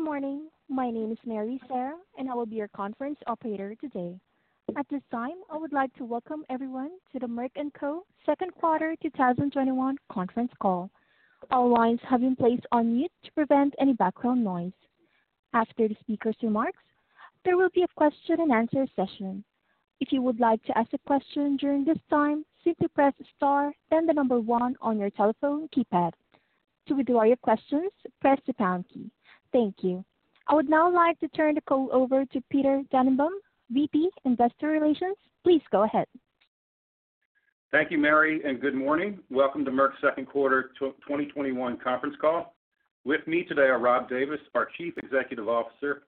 Good morning. My name is Mary Sara, and I will be your conference operator today. At this time, I would like to welcome everyone to the Merck & Co second quarter 2021 conference call. All lines have been placed on mute to prevent any background noise. After the speaker's remarks, there will be a question and answer session. If you would like to ask a question during this time, simply press star then the number one on your telephone keypad. To withdraw your questions, press the pound key. Thank you. I would now like to turn the call over to Peter Dannenbaum, VP, Investor Relations. Please go ahead. Thank you, Mary, and good morning. Welcome to Merck's second quarter 2021 conference call. With me today are Rob Davis, our Chief Executive Officer,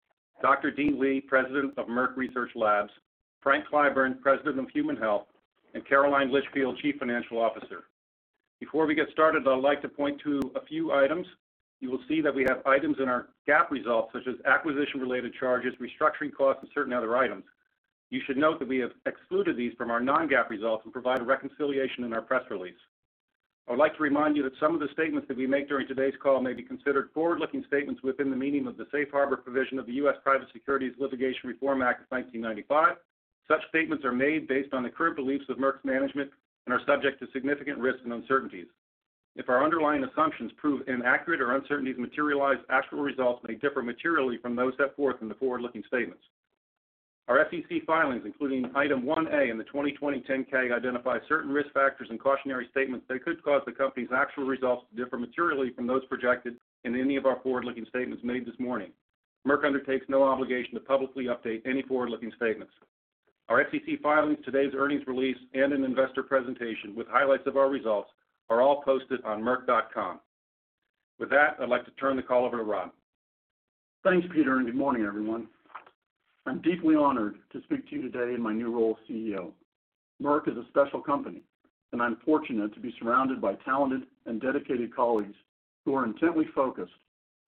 Dr. Dean Li, President of Merck Research Labs, Frank Clyburn, President of Human Health, and Caroline Litchfield, Chief Financial Officer. Before we get started, I'd like to point to a few items. You will see that we have items in our GAAP results, such as acquisition-related charges, restructuring costs, and certain other items. You should note that we have excluded these from our non-GAAP results and provide a reconciliation in our press release. I would like to remind you that some of the statements that we make during today's call may be considered forward-looking statements within the meaning of the Safe Harbor provision of the U.S. Private Securities Litigation Reform Act of 1995. Such statements are made based on the current beliefs of Merck's management and are subject to significant risks and uncertainties. If our underlying assumptions prove inaccurate or uncertainties materialize, actual results may differ materially from those set forth in the forward-looking statements. Our SEC filings, including Item 1A in the 2020 10-K, identify certain risk factors and cautionary statements that could cause the company's actual results to differ materially from those projected in any of our forward-looking statements made this morning. Merck undertakes no obligation to publicly update any forward-looking statements. Our SEC filings, today's earnings release, and an investor presentation with highlights of our results are all posted on merck.com. With that, I'd like to turn the call over to Rob. Thanks, Peter. Good morning, everyone. I'm deeply honored to speak to you today in my new role as CEO. Merck is a special company, and I'm fortunate to be surrounded by talented and dedicated colleagues who are intently focused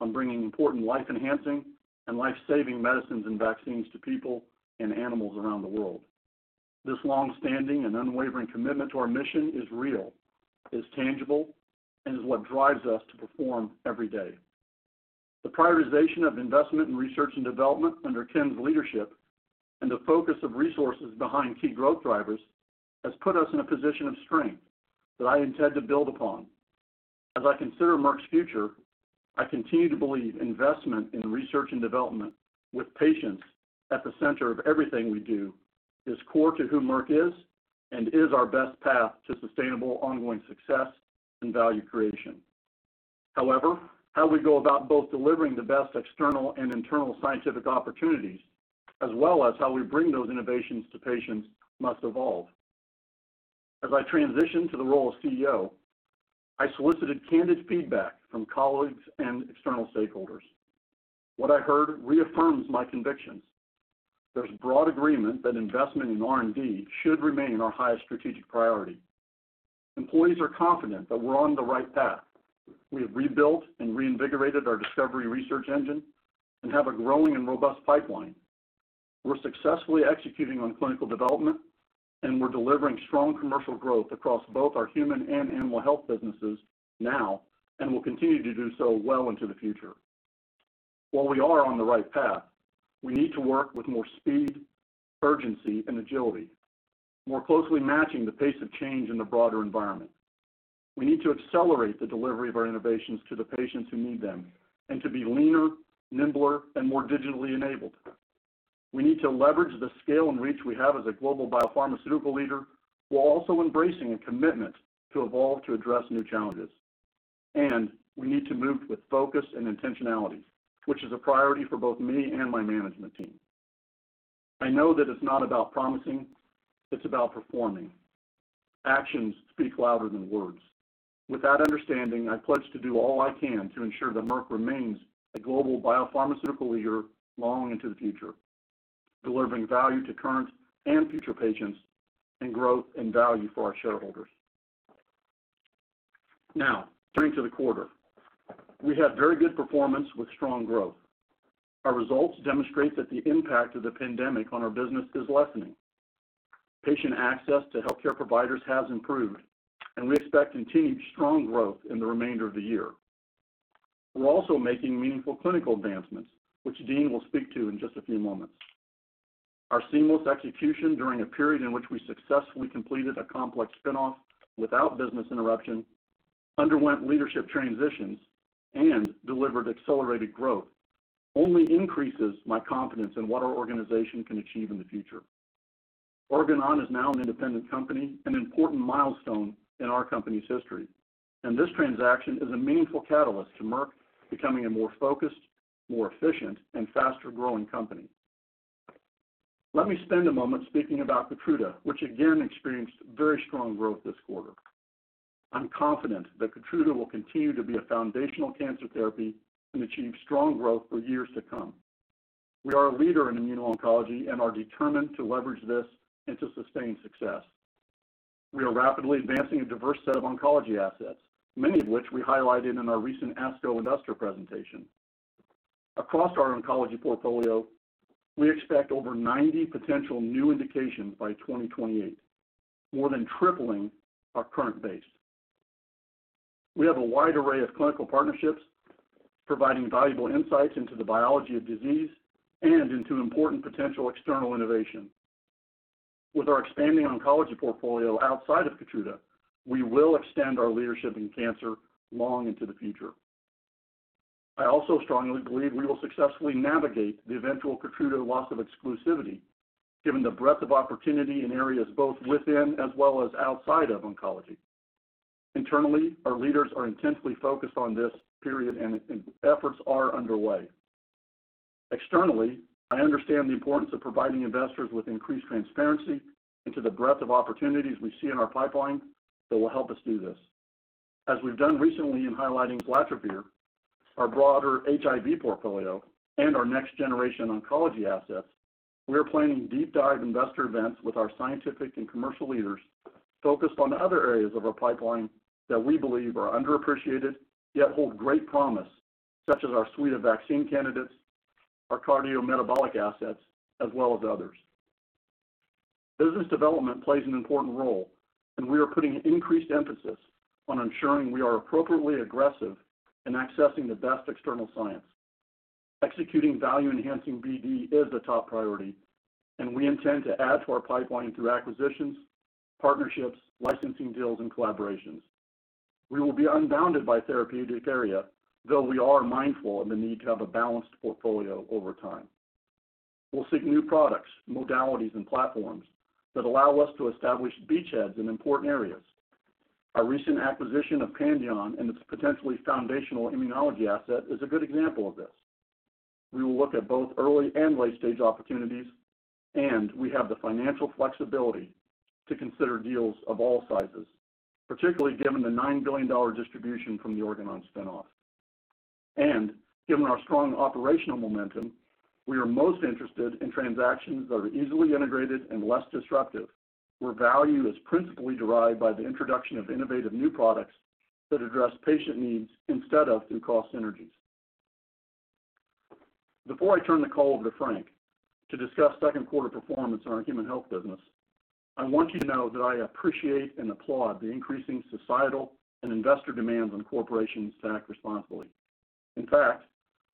on bringing important life-enhancing and life-saving medicines and vaccines to people and animals around the world. This longstanding and unwavering commitment to our mission is real, is tangible, and is what drives us to perform every day. The prioritization of investment in research and development under Ken's leadership and the focus of resources behind key growth drivers has put us in a position of strength that I intend to build upon. As I consider Merck's future, I continue to believe investment in research and development with patients at the center of everything we do is core to who Merck is and is our best path to sustainable, ongoing success and value creation. However, how we go about both delivering the best external and internal scientific opportunities, as well as how we bring those innovations to patients, must evolve. As I transitioned to the role of CEO, I solicited candid feedback from colleagues and external stakeholders. What I heard reaffirms my convictions. There's broad agreement that investment in R&D should remain our highest strategic priority. Employees are confident that we're on the right path. We have rebuilt and reinvigorated our discovery research engine and have a growing and robust pipeline. We're successfully executing on clinical development, and we're delivering strong commercial growth across both our Human and Animal Health businesses now and will continue to do so well into the future. While we are on the right path, we need to work with more speed, urgency, and agility, more closely matching the pace of change in the broader environment. We need to accelerate the delivery of our innovations to the patients who need them and to be leaner, nimbler, and more digitally enabled. We need to leverage the scale and reach we have as a global biopharmaceutical leader while also embracing a commitment to evolve to address new challenges, and we need to move with focus and intentionality, which is a priority for both me and my management team. I know that it's not about promising, it's about performing. Actions speak louder than words. With that understanding, I pledge to do all I can to ensure that Merck remains a global biopharmaceutical leader long into the future, delivering value to current and future patients and growth and value for our shareholders. Now, turning to the quarter. We had very good performance with strong growth. Our results demonstrate that the impact of the pandemic on our business is lessening. Patient access to healthcare providers has improved, and we expect continued strong growth in the remainder of the year. We're also making meaningful clinical advancements, which Dean will speak to in just a few moments. Our seamless execution during a period in which we successfully completed a complex spin-off without business interruption, underwent leadership transitions, and delivered accelerated growth only increases my confidence in what our organization can achieve in the future. Organon is now an independent company, an important milestone in our company's history. This transaction is a meaningful catalyst to Merck becoming a more focused, more efficient, and faster-growing company. Let me spend a moment speaking about KEYTRUDA, which again experienced very strong growth this quarter. I'm confident that KEYTRUDA will continue to be a foundational cancer therapy and achieve strong growth for years to come. We are a leader in immuno-oncology and are determined to leverage this into sustained success. We are rapidly advancing a diverse set of oncology assets, many of which we highlighted in our recent ASCO investor presentation. Across our oncology portfolio, we expect over 90 potential new indications by 2028. More than tripling our current base. We have a wide array of clinical partnerships providing valuable insights into the biology of disease and into important potential external innovation. With our expanding oncology portfolio outside of KEYTRUDA, we will extend our leadership in cancer long into the future. I also strongly believe we will successfully navigate the eventual KEYTRUDA loss of exclusivity, given the breadth of opportunity in areas both within as well as outside of oncology. Internally, our leaders are intensely focused on this period, and efforts are underway. Externally, I understand the importance of providing investors with increased transparency into the breadth of opportunities we see in our pipeline that will help us do this. As we've done recently in highlighting islatravir, our broader HIV portfolio, and our next-generation oncology assets, we are planning deep-dive investor events with our scientific and commercial leaders focused on other areas of our pipeline that we believe are underappreciated, yet hold great promise, such as our suite of vaccine candidates, our cardiometabolic assets, as well as others. Business development plays an important role, and we are putting increased emphasis on ensuring we are appropriately aggressive in accessing the best external science. Executing value-enhancing BD is a top priority, and we intend to add to our pipeline through acquisitions, partnerships, licensing deals, and collaborations. We will be unbounded by therapeutic area, though we are mindful of the need to have a balanced portfolio over time. We'll seek new products, modalities, and platforms that allow us to establish beachheads in important areas. Our recent acquisition of Pandion and its potentially foundational immunology asset is a good example of this. We will look at both early and late-stage opportunities, and we have the financial flexibility to consider deals of all sizes, particularly given the $9 billion distribution from the Organon spin-off. Given our strong operational momentum, we are most interested in transactions that are easily integrated and less disruptive, where value is principally derived by the introduction of innovative new products that address patient needs instead of through cost synergies. Before I turn the call over to Frank to discuss second quarter performance in our Human Health business, I want you to know that I appreciate and applaud the increasing societal and investor demands on corporations to act responsibly.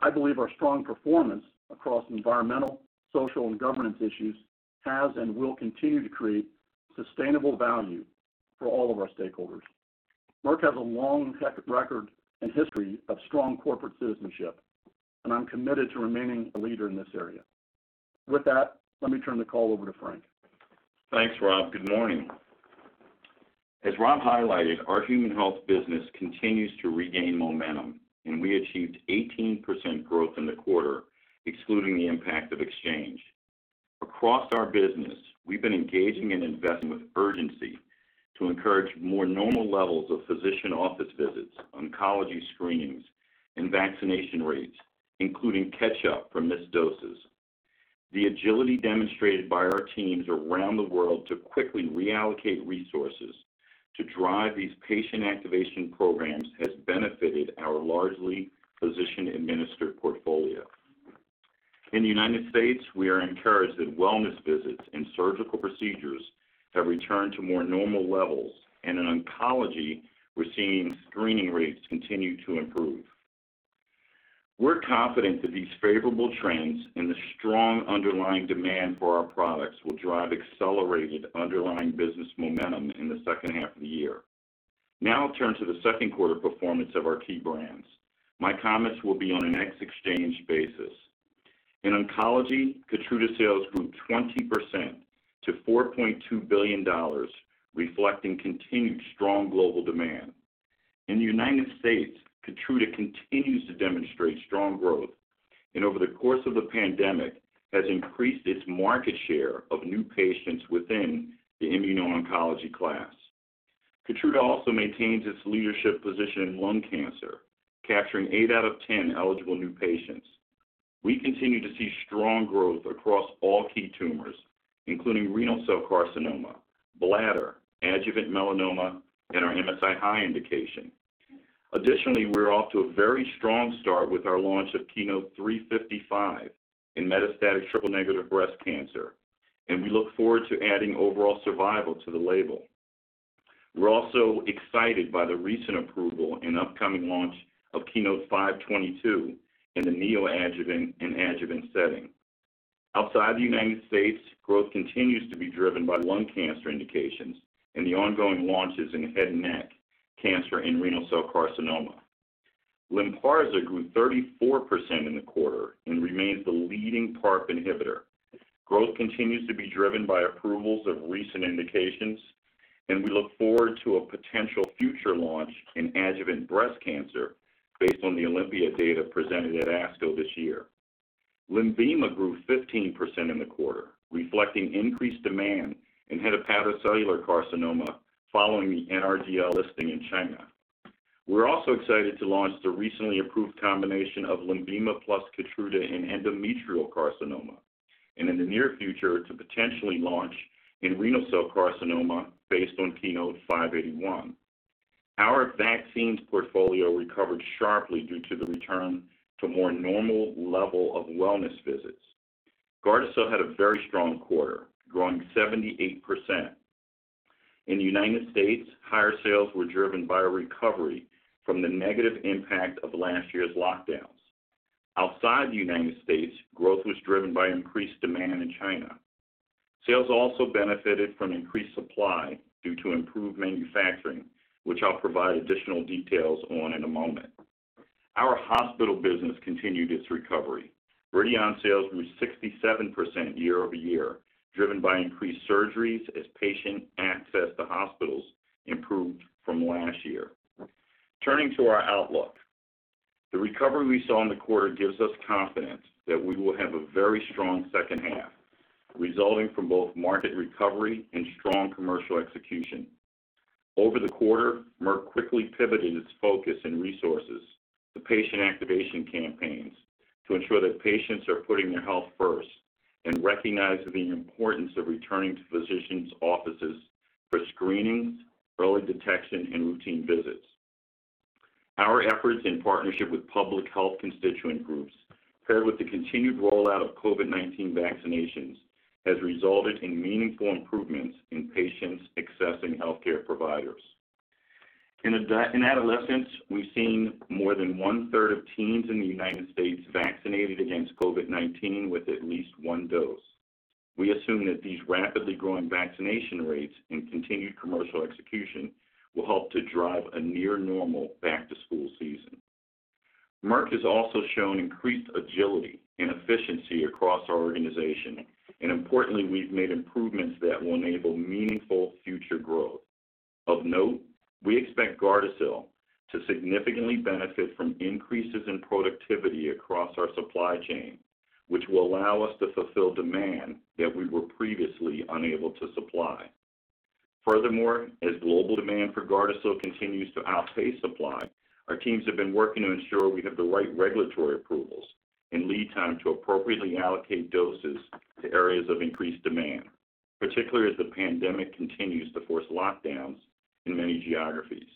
I believe our strong performance across environmental, social, and governance issues has and will continue to create sustainable value for all of our stakeholders. Merck has a long track record and history of strong corporate citizenship, and I'm committed to remaining a leader in this area. With that, let me turn the call over to Frank. Thanks, Rob. Good morning. As Rob highlighted, our Human Health business continues to regain momentum, and we achieved 18% growth in the quarter, excluding the impact of exchange. Across our business, we've been engaging in investing with urgency to encourage more normal levels of physician office visits, oncology screenings, and vaccination rates, including catch-up for missed doses. The agility demonstrated by our teams around the world to quickly reallocate resources to drive these patient activation programs has benefited our largely physician-administered portfolio. In the United States, we are encouraged that wellness visits and surgical procedures have returned to more normal levels. In oncology, we're seeing screening rates continue to improve. We're confident that these favorable trends and the strong underlying demand for our products will drive accelerated underlying business momentum in the second half of the year. Now I'll turn to the second quarter performance of our key brands. My comments will be on an ex-exchange basis. In oncology, KEYTRUDA sales grew 20% to $4.2 billion, reflecting continued strong global demand. In the U.S., KEYTRUDA continues to demonstrate strong growth, and over the course of the pandemic has increased its market share of new patients within the immuno-oncology class. KEYTRUDA also maintains its leadership position in lung cancer, capturing eight out of 10 eligible new patients. We continue to see strong growth across all key tumors, including renal cell carcinoma, bladder, adjuvant melanoma, and our MSI-high indication. Additionally, we're off to a very strong start with our launch of KEYNOTE-355 in metastatic triple-negative breast cancer, and we look forward to adding overall survival to the label. We're also excited by the recent approval and upcoming launch of KEYNOTE-522 in the neoadjuvant and adjuvant setting. Outside the United States, growth continues to be driven by lung cancer indications and the ongoing launches in head and neck cancer in renal cell carcinoma. LYNPARZA grew 34% in the quarter and remains the leading PARP inhibitor. Growth continues to be driven by approvals of recent indications, and we look forward to a potential future launch in adjuvant breast cancer based on the OlympiA data presented at ASCO this year. LENVIMA grew 15% in the quarter, reflecting increased demand in hepatocellular carcinoma following the NRDL listing in China. We're also excited to launch the recently approved combination of LENVIMA plus KEYTRUDA in endometrial carcinoma, and in the near future, to potentially launch in renal cell carcinoma based on KEYNOTE-581. Our vaccines portfolio recovered sharply due to the return to more normal level of wellness visits. GARDASIL had a very strong quarter, growing 78%. In the United States, higher sales were driven by a recovery from the negative impact of last year's lockdowns. Outside the United States, growth was driven by increased demand in China. Sales also benefited from increased supply due to improved manufacturing, which I'll provide additional details on in a moment. Our hospital business continued its recovery. BRIDION sales grew 67% year-over-year, driven by increased surgeries as patient access to hospitals improved from last year. Turning to our outlook, the recovery we saw in the quarter gives us confidence that we will have a very strong second half, resulting from both market recovery and strong commercial execution. Over the quarter, Merck quickly pivoted its focus and resources to patient activation campaigns to ensure that patients are putting their health first and recognizing the importance of returning to physicians' offices for screenings, early detection, and routine visits. Our efforts in partnership with public health constituent groups, paired with the continued rollout of COVID-19 vaccinations, has resulted in meaningful improvements in patients accessing healthcare providers. In adolescents, we've seen more than 1/3 of teens in the United States vaccinated against COVID-19 with at least one dose. We assume that these rapidly growing vaccination rates and continued commercial execution will help to drive a near normal back-to-school season. Merck has also shown increased agility and efficiency across our organization, and importantly, we've made improvements that will enable meaningful future growth. Of note, we expect GARDASIL to significantly benefit from increases in productivity across our supply chain, which will allow us to fulfill demand that we were previously unable to supply. Furthermore, as global demand for GARDASIL continues to outpace supply, our teams have been working to ensure we have the right regulatory approvals and lead time to appropriately allocate doses to areas of increased demand, particularly as the pandemic continues to force lockdowns in many geographies.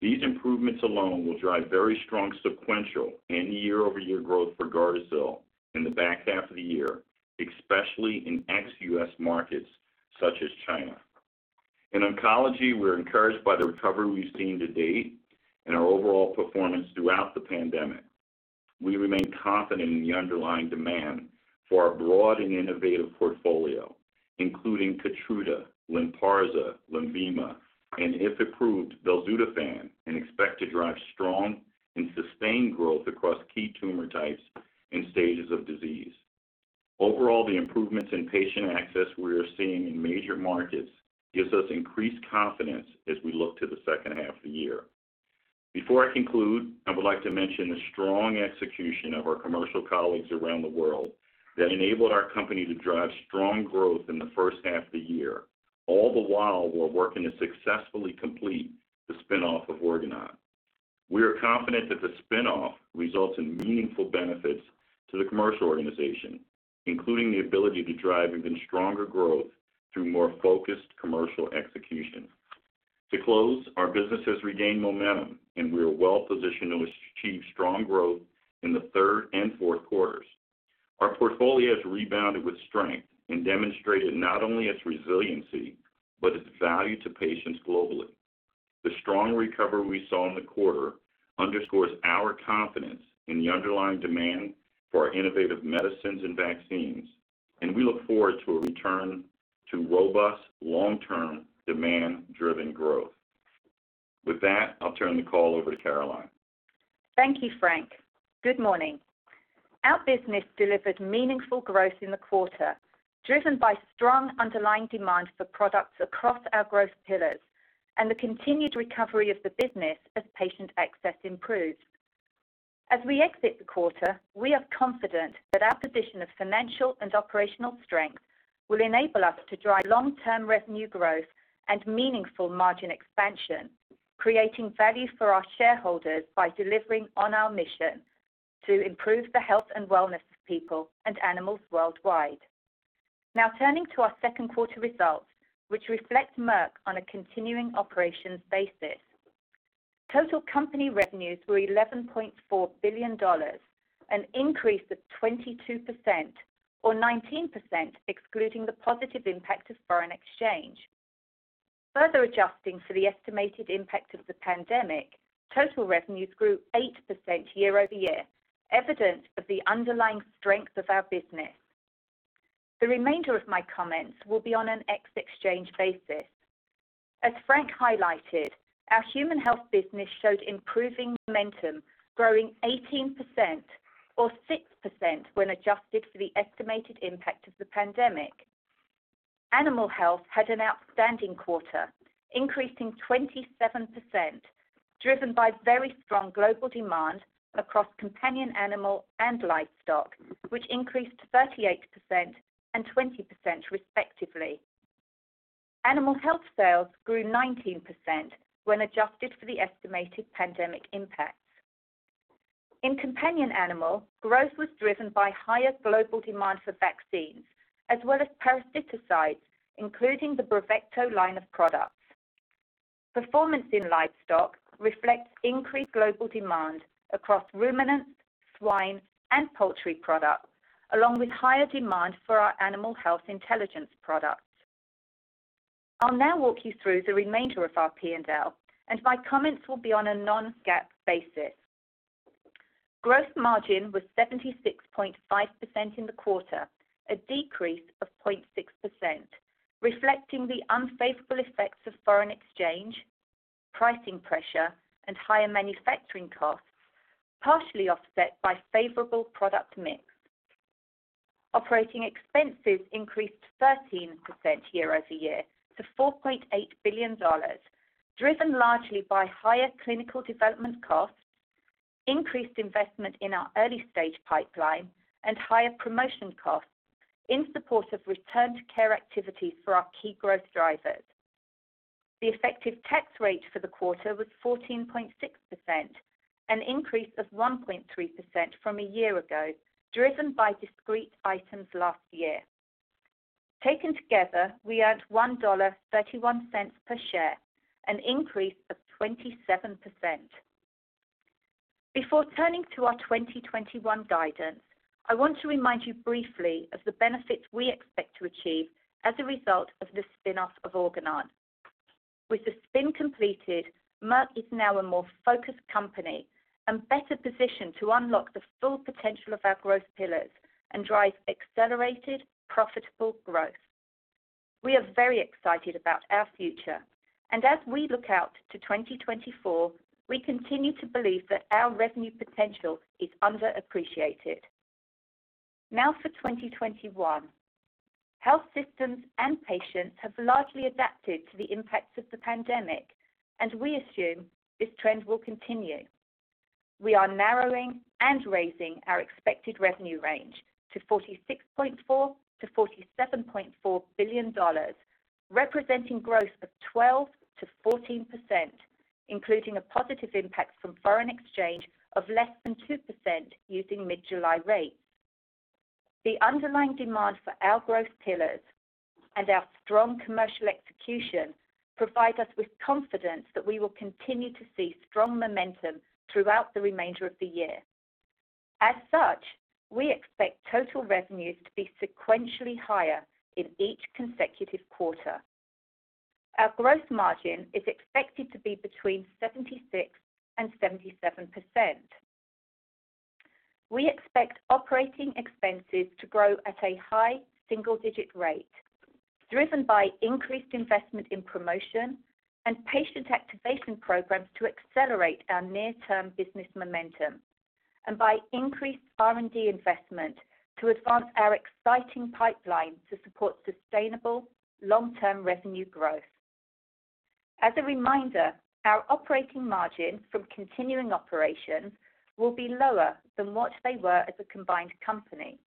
These improvements alone will drive very strong sequential and year-over-year growth for GARDASIL in the back half of the year, especially in ex-U.S. markets such as China. In oncology, we're encouraged by the recovery we've seen to date and our overall performance throughout the pandemic. We remain confident in the underlying demand for our broad and innovative portfolio, including KEYTRUDA, LYNPARZA, LENVIMA, and if approved, belzutifan, and expect to drive strong and sustained growth across key tumor types and stages of disease. Overall, the improvements in patient access we are seeing in major markets gives us increased confidence as we look to the second half of the year. Before I conclude, I would like to mention the strong execution of our commercial colleagues around the world that enabled our company to drive strong growth in the first half of the year, all the while we're working to successfully complete the spinoff of Organon. We are confident that the spinoff results in meaningful benefits to the commercial organization, including the ability to drive even stronger growth through more focused commercial execution. To close, our business has regained momentum, and we are well-positioned to achieve strong growth in the third and fourth quarters. Our portfolio has rebounded with strength and demonstrated not only its resiliency but its value to patients globally. The strong recovery we saw in the quarter underscores our confidence in the underlying demand for our innovative medicines and vaccines, and we look forward to a return to robust, long-term, demand-driven growth. With that, I'll turn the call over to Caroline. Thank you, Frank. Good morning. Our business delivered meaningful growth in the quarter, driven by strong underlying demand for products across our growth pillars and the continued recovery of the business as patient access improved. As we exit the quarter, we are confident that our position of financial and operational strength will enable us to drive long-term revenue growth and meaningful margin expansion, creating value for our shareholders by delivering on our mission to improve the health and wellness of people and animals worldwide. Now turning to our second quarter results, which reflect Merck on a continuing operations basis. Total company revenues were $11.4 billion, an increase of 22%, or 19% excluding the positive impact of foreign exchange. Further adjusting for the estimated impact of the pandemic, total revenues grew 8% year-over-year, evidence of the underlying strength of our business. The remainder of my comments will be on an ex-exchange basis. As Frank highlighted, our Human Health business showed improving momentum, growing 18%, or 6% when adjusted for the estimated impact of the pandemic. Animal Health had an outstanding quarter, increasing 27%, driven by very strong global demand across companion animal and livestock, which increased 38% and 20% respectively. Animal Health sales grew 19% when adjusted for the estimated pandemic impact. In companion animal, growth was driven by higher global demand for vaccines as well as parasiticides, including the Bravecto line of products. Performance in livestock reflects increased global demand across ruminants, swine, and poultry products, along with higher demand for our Animal Health Intelligence products. I'll now walk you through the remainder of our P&L. My comments will be on a non-GAAP basis. Gross margin was 76.5% in the quarter, a decrease of 0.6%, reflecting the unfavorable effects of foreign exchange, pricing pressure, and higher manufacturing costs, partially offset by favorable product mix. Operating expenses increased 13% year-over-year to $4.8 billion, driven largely by higher clinical development costs, increased investment in our early-stage pipeline, and higher promotion costs in support of return to care activities for our key growth drivers. The effective tax rate for the quarter was 14.6%, an increase of 1.3% from a year ago, driven by discrete items last year. Taken together, we earned $1.31 per share, an increase of 27%. Before turning to our 2021 guidance, I want to remind you briefly of the benefits we expect to achieve as a result of the spin-off of Organon. With the spin completed, Merck is now a more focused company and better positioned to unlock the full potential of our growth pillars and drive accelerated, profitable growth. We are very excited about our future, and as we look out to 2024, we continue to believe that our revenue potential is underappreciated. For 2021, health systems and patients have largely adapted to the impacts of the pandemic, and we assume this trend will continue. We are narrowing and raising our expected revenue range to $46.4 billion-$47.4 billion, representing growth of 12%-14%, including a positive impact from foreign exchange of less than 2% using mid-July rates. The underlying demand for our growth pillars and our strong commercial execution provide us with confidence that we will continue to see strong momentum throughout the remainder of the year. We expect total revenues to be sequentially higher in each consecutive quarter. Our gross margin is expected to be between 76% and 77%. We expect operating expenses to grow at a high single-digit rate, driven by increased investment in promotion and patient activation programs to accelerate our near-term business momentum, and by increased R&D investment to advance our exciting pipeline to support sustainable long-term revenue growth. Our operating margin from continuing operations will be lower than what they were as a combined company,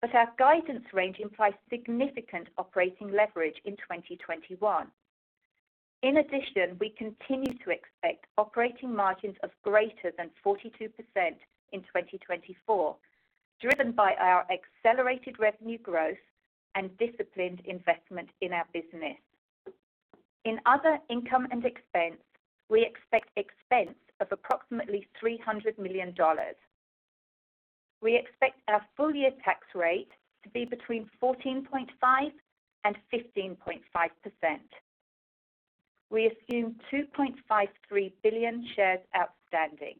but our guidance range implies significant operating leverage in 2021. We continue to expect operating margins of greater than 42% in 2024, driven by our accelerated revenue growth and disciplined investment in our business. We expect expense of approximately $300 million. We expect our full-year tax rate to be between 14.5% and 15.5%. We assume 2.53 billion shares outstanding.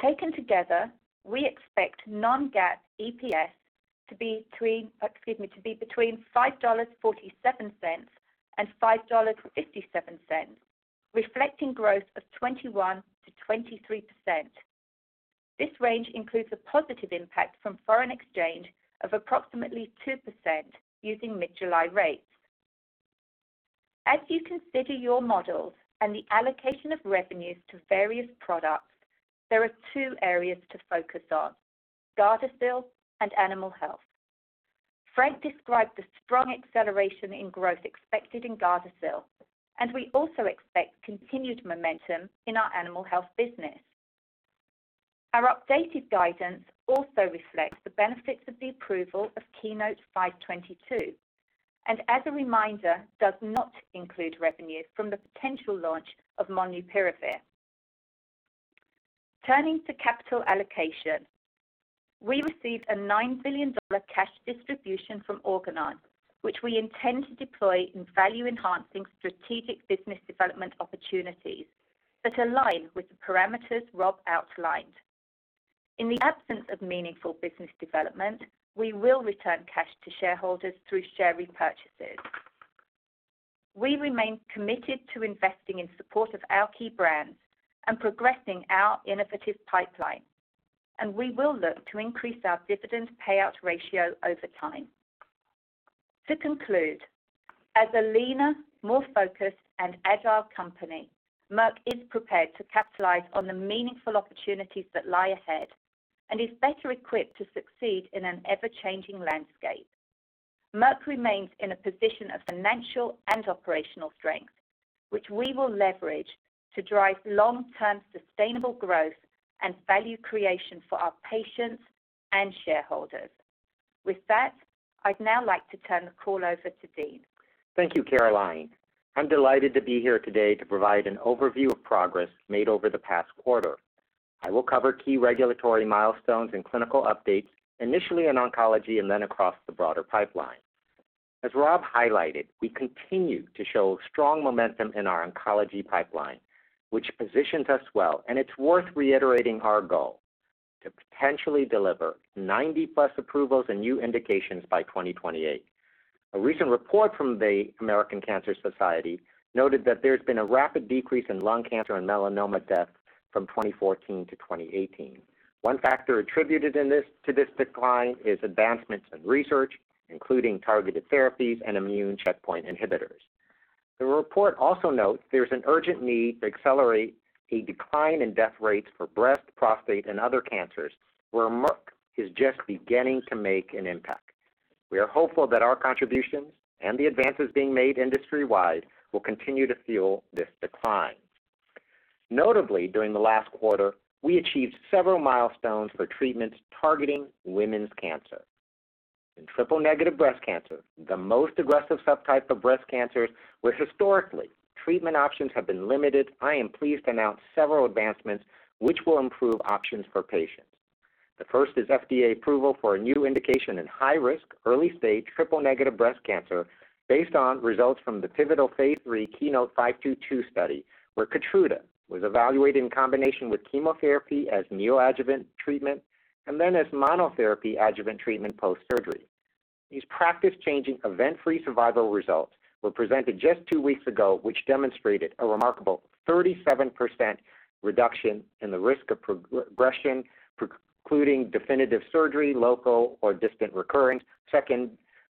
Taken together, we expect non-GAAP EPS to be between $5.47 and $5.57, reflecting growth of 21%-23%. This range includes a positive impact from foreign exchange of approximately 2% using mid-July rates. As you consider your models and the allocation of revenues to various products, there are two areas to focus on, GARDASIL and Animal Health. Frank described the strong acceleration in growth expected in GARDASIL, and we also expect continued momentum in our Animal Health business. Our updated guidance also reflects the benefits of the approval of KEYNOTE-522 and, as a reminder, does not include revenues from the potential launch of molnupiravir. Turning to capital allocation, we received a $9 billion cash distribution from Organon, which we intend to deploy in value-enhancing strategic business development opportunities that align with the parameters Rob outlined. In the absence of meaningful business development, we will return cash to shareholders through share repurchases. We remain committed to investing in support of our key brands and progressing our innovative pipeline. We will look to increase our dividend payout ratio over time. To conclude, as a leaner, more focused, and agile company, Merck is prepared to capitalize on the meaningful opportunities that lie ahead and is better equipped to succeed in an ever-changing landscape. Merck remains in a position of financial and operational strength, which we will leverage to drive long-term sustainable growth and value creation for our patients and shareholders. With that, I'd now like to turn the call over to Dean. Thank you, Caroline. I'm delighted to be here today to provide an overview of progress made over the past quarter. I will cover key regulatory milestones and clinical updates, initially in oncology and then across the broader pipeline. As Rob highlighted, we continue to show strong momentum in our oncology pipeline, which positions us well, and it's worth reiterating our goal to potentially deliver 90+ approvals and new indications by 2028. A recent report from the American Cancer Society noted that there's been a rapid decrease in lung cancer and melanoma deaths from 2014 to 2018. One factor attributed to this decline is advancements in research, including targeted therapies and immune checkpoint inhibitors. The report also notes there's an urgent need to accelerate a decline in death rates for breast, prostate, and other cancers where Merck is just beginning to make an impact. We are hopeful that our contributions and the advances being made industry-wide will continue to fuel this decline. Notably, during the last quarter, we achieved several milestones for treatments targeting women's cancer. In triple-negative breast cancer, the most aggressive subtype of breast cancers, where historically treatment options have been limited, I am pleased to announce several advancements which will improve options for patients. The first is FDA approval for a new indication in high-risk early-stage triple-negative breast cancer based on results from the pivotal phase III KEYNOTE-522 study, where KEYTRUDA was evaluated in combination with chemotherapy as neoadjuvant treatment and then as monotherapy adjuvant treatment post-surgery. These practice-changing event-free survival results were presented just two weeks ago, which demonstrated a remarkable 37% reduction in the risk of progression, precluding definitive surgery, local or distant recurrence, second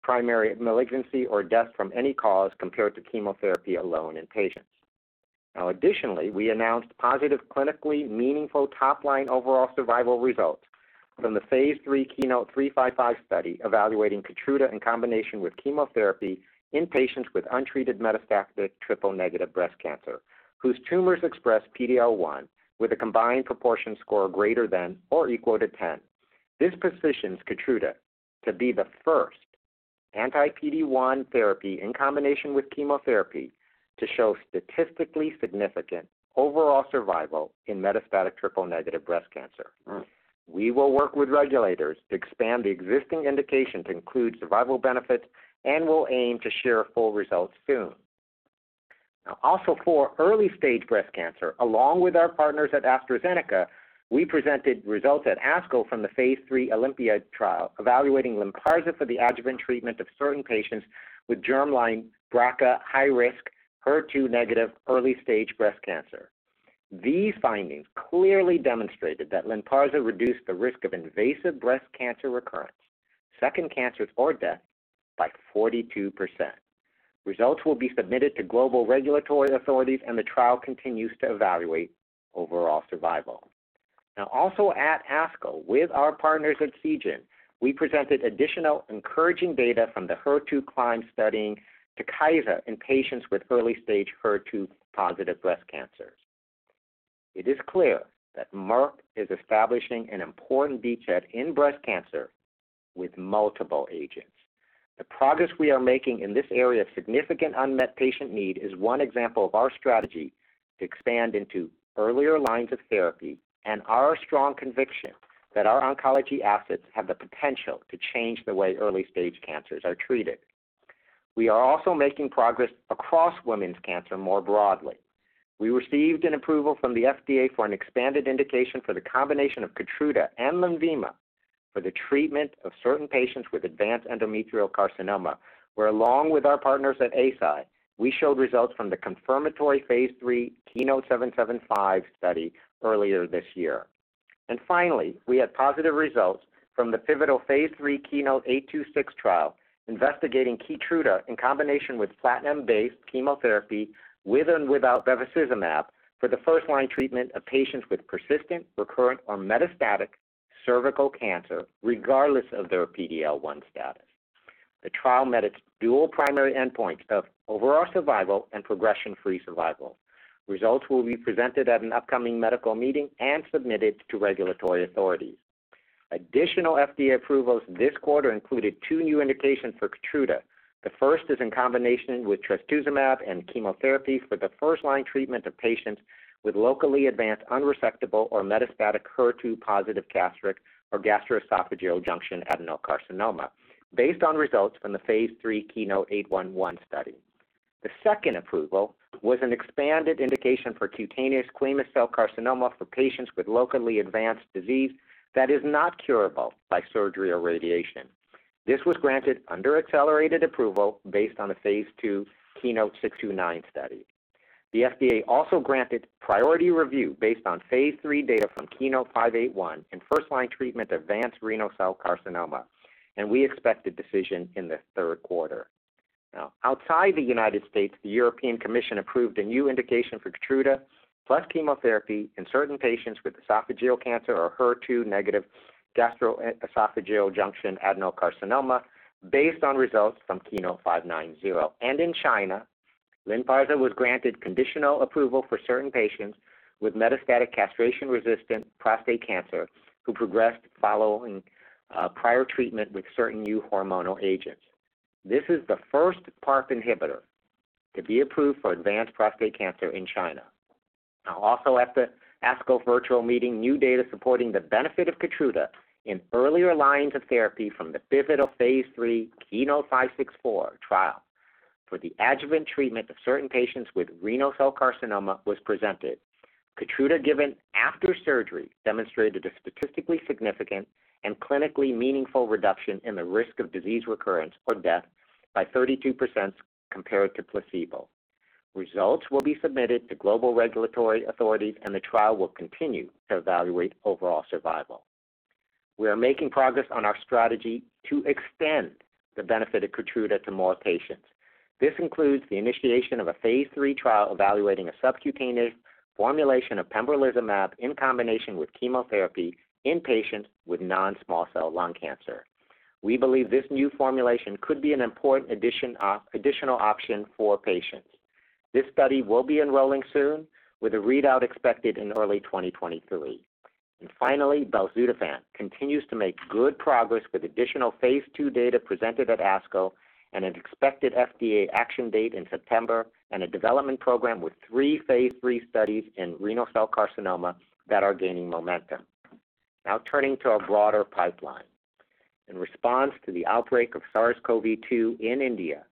primary malignancy, or death from any cause compared to chemotherapy alone in patients. Additionally, we announced positive clinically meaningful top-line overall survival results from the phase III KEYNOTE-355 study evaluating KEYTRUDA in combination with chemotherapy in patients with untreated metastatic triple-negative breast cancer whose tumors express PD-L1 with a combined proportion score greater than or equal to 10. This positions KEYTRUDA to be the first anti-PD-1 therapy in combination with chemotherapy to show statistically significant overall survival in metastatic triple-negative breast cancer. We will work with regulators to expand the existing indication to include survival benefits and will aim to share full results soon. Also for early-stage breast cancer, along with our partners at AstraZeneca, we presented results at ASCO from the phase III OlympiA trial evaluating LYNPARZA for the adjuvant treatment of certain patients with germline BRCA high-risk, HER2-negative early-stage breast cancer. These findings clearly demonstrated that LYNPARZA reduced the risk of invasive breast cancer recurrence, second cancers or death by 42%. Results will be submitted to global regulatory authorities. The trial continues to evaluate overall survival. Also at ASCO with our partners at Seagen, we presented additional encouraging data from the HER2CLIMB study in TUKYSA in patients with early-stage HER2-positive breast cancers. It is clear that Merck is establishing an important beachhead in breast cancer with multiple agents. The progress we are making in this area of significant unmet patient need is one example of our strategy to expand into earlier lines of therapy and our strong conviction that our oncology assets have the potential to change the way early-stage cancers are treated. We are also making progress across women's cancer more broadly. We received an approval from the FDA for an expanded indication for the combination of KEYTRUDA and LENVIMA for the treatment of certain patients with advanced endometrial carcinoma, where along with our partners at Eisai, we showed results from the confirmatory phase III KEYNOTE-775 study earlier this year. Finally, we had positive results from the pivotal phase III KEYNOTE-826 trial investigating KEYTRUDA in combination with platinum-based chemotherapy with and without bevacizumab for the first-line treatment of patients with persistent, recurrent, or metastatic cervical cancer, regardless of their PD-L1 status. The trial met its dual primary endpoints of overall survival and progression-free survival. Results will be presented at an upcoming medical meeting and submitted to regulatory authorities. Additional FDA approvals this quarter included two new indications for KEYTRUDA. The first is in combination with trastuzumab and chemotherapy for the first-line treatment of patients with locally advanced unresectable or metastatic HER2-positive gastric or gastroesophageal junction adenocarcinoma based on results from the phase III KEYNOTE-811 study. The second approval was an expanded indication for cutaneous squamous cell carcinoma for patients with locally advanced disease that is not curable by surgery or radiation. This was granted under accelerated approval based on a phase II KEYNOTE-629 study. The FDA also granted priority review based on phase III data from KEYNOTE-581 in first-line treatment advanced renal cell carcinoma, and we expect a decision in the third quarter. Outside the United States, the European Commission approved a new indication for KEYTRUDA plus chemotherapy in certain patients with esophageal cancer or HER2-negative gastroesophageal junction adenocarcinoma based on results from KEYNOTE-590. In China, LYNPARZA was granted conditional approval for certain patients with metastatic castration-resistant prostate cancer who progressed following prior treatment with certain new hormonal agents. This is the first PARP inhibitor to be approved for advanced prostate cancer in China. Also at the ASCO virtual meeting, new data supporting the benefit of KEYTRUDA in earlier lines of therapy from the pivotal phase III KEYNOTE-564 trial for the adjuvant treatment of certain patients with renal cell carcinoma was presented. KEYTRUDA given after surgery demonstrated a statistically significant and clinically meaningful reduction in the risk of disease recurrence or death by 32% compared to placebo. Results will be submitted to global regulatory authorities, the trial will continue to evaluate overall survival. We are making progress on our strategy to extend the benefit of KEYTRUDA to more patients. This includes the initiation of a phase III trial evaluating a subcutaneous formulation of pembrolizumab in combination with chemotherapy in patients with non-small cell lung cancer. We believe this new formulation could be an important additional option for patients. This study will be enrolling soon, with a readout expected in early 2023. Finally, belzutifan continues to make good progress with additional phase II data presented at ASCO and an expected FDA action date in September, and a development program with three phase III studies in renal cell carcinoma that are gaining momentum. Now turning to our broader pipeline. In response to the outbreak of SARS-CoV-2 in India,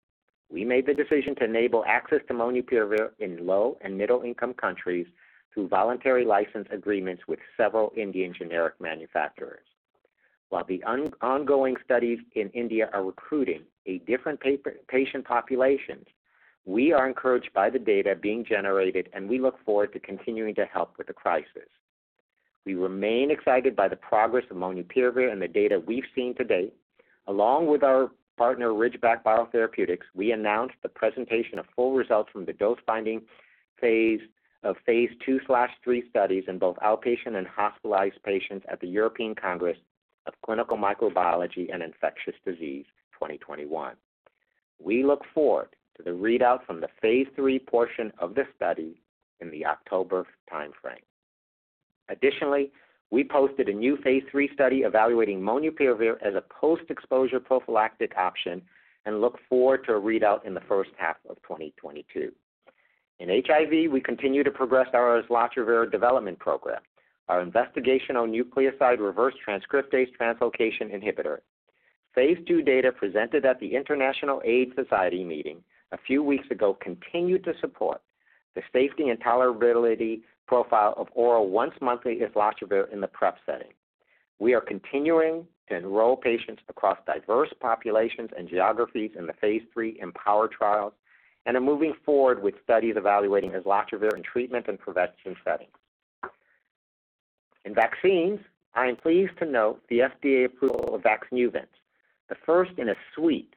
we made the decision to enable access to molnupiravir in low and middle-income countries through voluntary license agreements with several Indian generic manufacturers. While the ongoing studies in India are recruiting a different patient population, we are encouraged by the data being generated, and we look forward to continuing to help with the crisis. We remain excited by the progress of molnupiravir and the data we've seen to date. Along with our partner Ridgeback Biotherapeutics, we announced the presentation of full results from the dose-finding phase of phase II/III studies in both outpatient and hospitalized patients at the European Congress of Clinical Microbiology and Infectious Disease 2021. We look forward to the readout from the phase III portion of this study in the October timeframe. Additionally, we posted a new phase III study evaluating molnupiravir as a post-exposure prophylactic option and look forward to a readout in the first half of 2022. In HIV, we continue to progress our islatravir development program, our investigational nucleoside reverse transcriptase translocation inhibitor. Phase II data presented at the International AIDS Society meeting a few weeks ago continued to support the safety and tolerability profile of oral once-monthly islatravir in the PrEP setting. We are continuing to enroll patients across diverse populations and geographies in the phase III EMPOWER trial and are moving forward with studies evaluating islatravir in treatment and prevention settings. In vaccines, I am pleased to note the FDA approval of VAXNEUVANCE, the first in a suite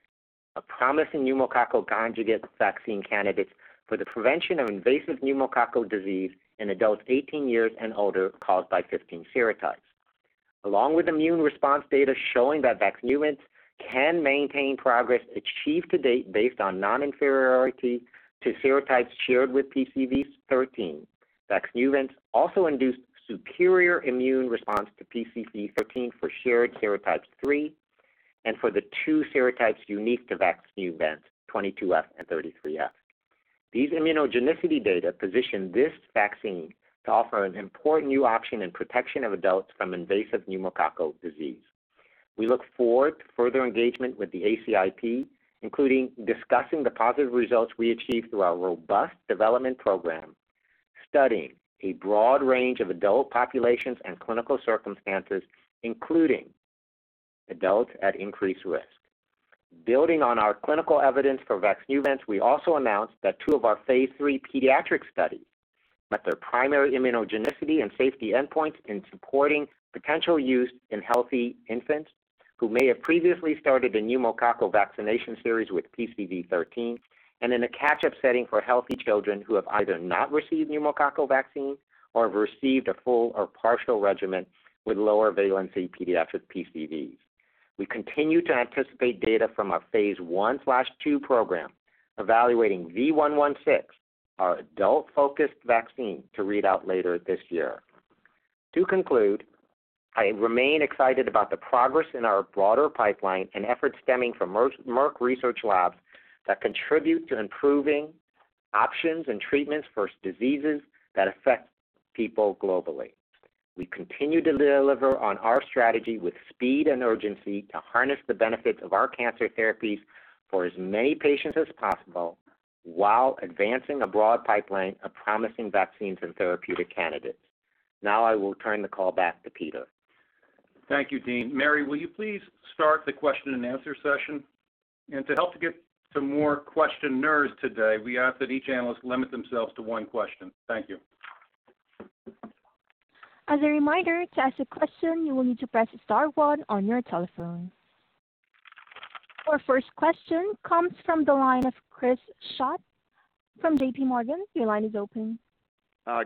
of promising pneumococcal conjugate vaccine candidates for the prevention of invasive pneumococcal disease in adults 18 years and older caused by 15 serotypes. Along with immune response data showing that VAXNEUVANCE can maintain progress achieved to date based on non-inferiority to serotypes shared with PCV13, VAXNEUVANCE also induced superior immune response to PCV13 for shared serotypes 3, and for the 2 serotypes unique to VAXNEUVANCE, 22F and 33F. These immunogenicity data position this vaccine to offer an important new option in protection of adults from invasive pneumococcal disease. We look forward to further engagement with the ACIP, including discussing the positive results we achieved through our robust development program, studying a broad range of adult populations and clinical circumstances, including adults at increased risk. Building on our clinical evidence for VAXNEUVANCE, we also announced that two of our phase III pediatric studies met their primary immunogenicity and safety endpoints in supporting potential use in healthy infants who may have previously started a pneumococcal vaccination series with PCV13, and in a catch-up setting for healthy children who have either not received pneumococcal vaccine or have received a full or partial regimen with lower valency pediatric PCVs. We continue to anticipate data from our phase I/II program evaluating V116, our adult-focused vaccine, to read out later this year. To conclude, I remain excited about the progress in our broader pipeline and efforts stemming from Merck Research Labs that contribute to improving options and treatments for diseases that affect people globally. We continue to deliver on our strategy with speed and urgency to harness the benefits of our cancer therapies for as many patients as possible while advancing a broad pipeline of promising vaccines and therapeutic candidates. Now I will turn the call back to Peter. Thank you, Dean. Mary, will you please start the question and answer session? To help to get some more questioners today, we ask that each analyst limit themselves to one question. Thank you. As a reminder, to ask a question, you will need to press star one on your telephone. Our first question comes from the line of Chris Schott from JPMorgan. Your line is open.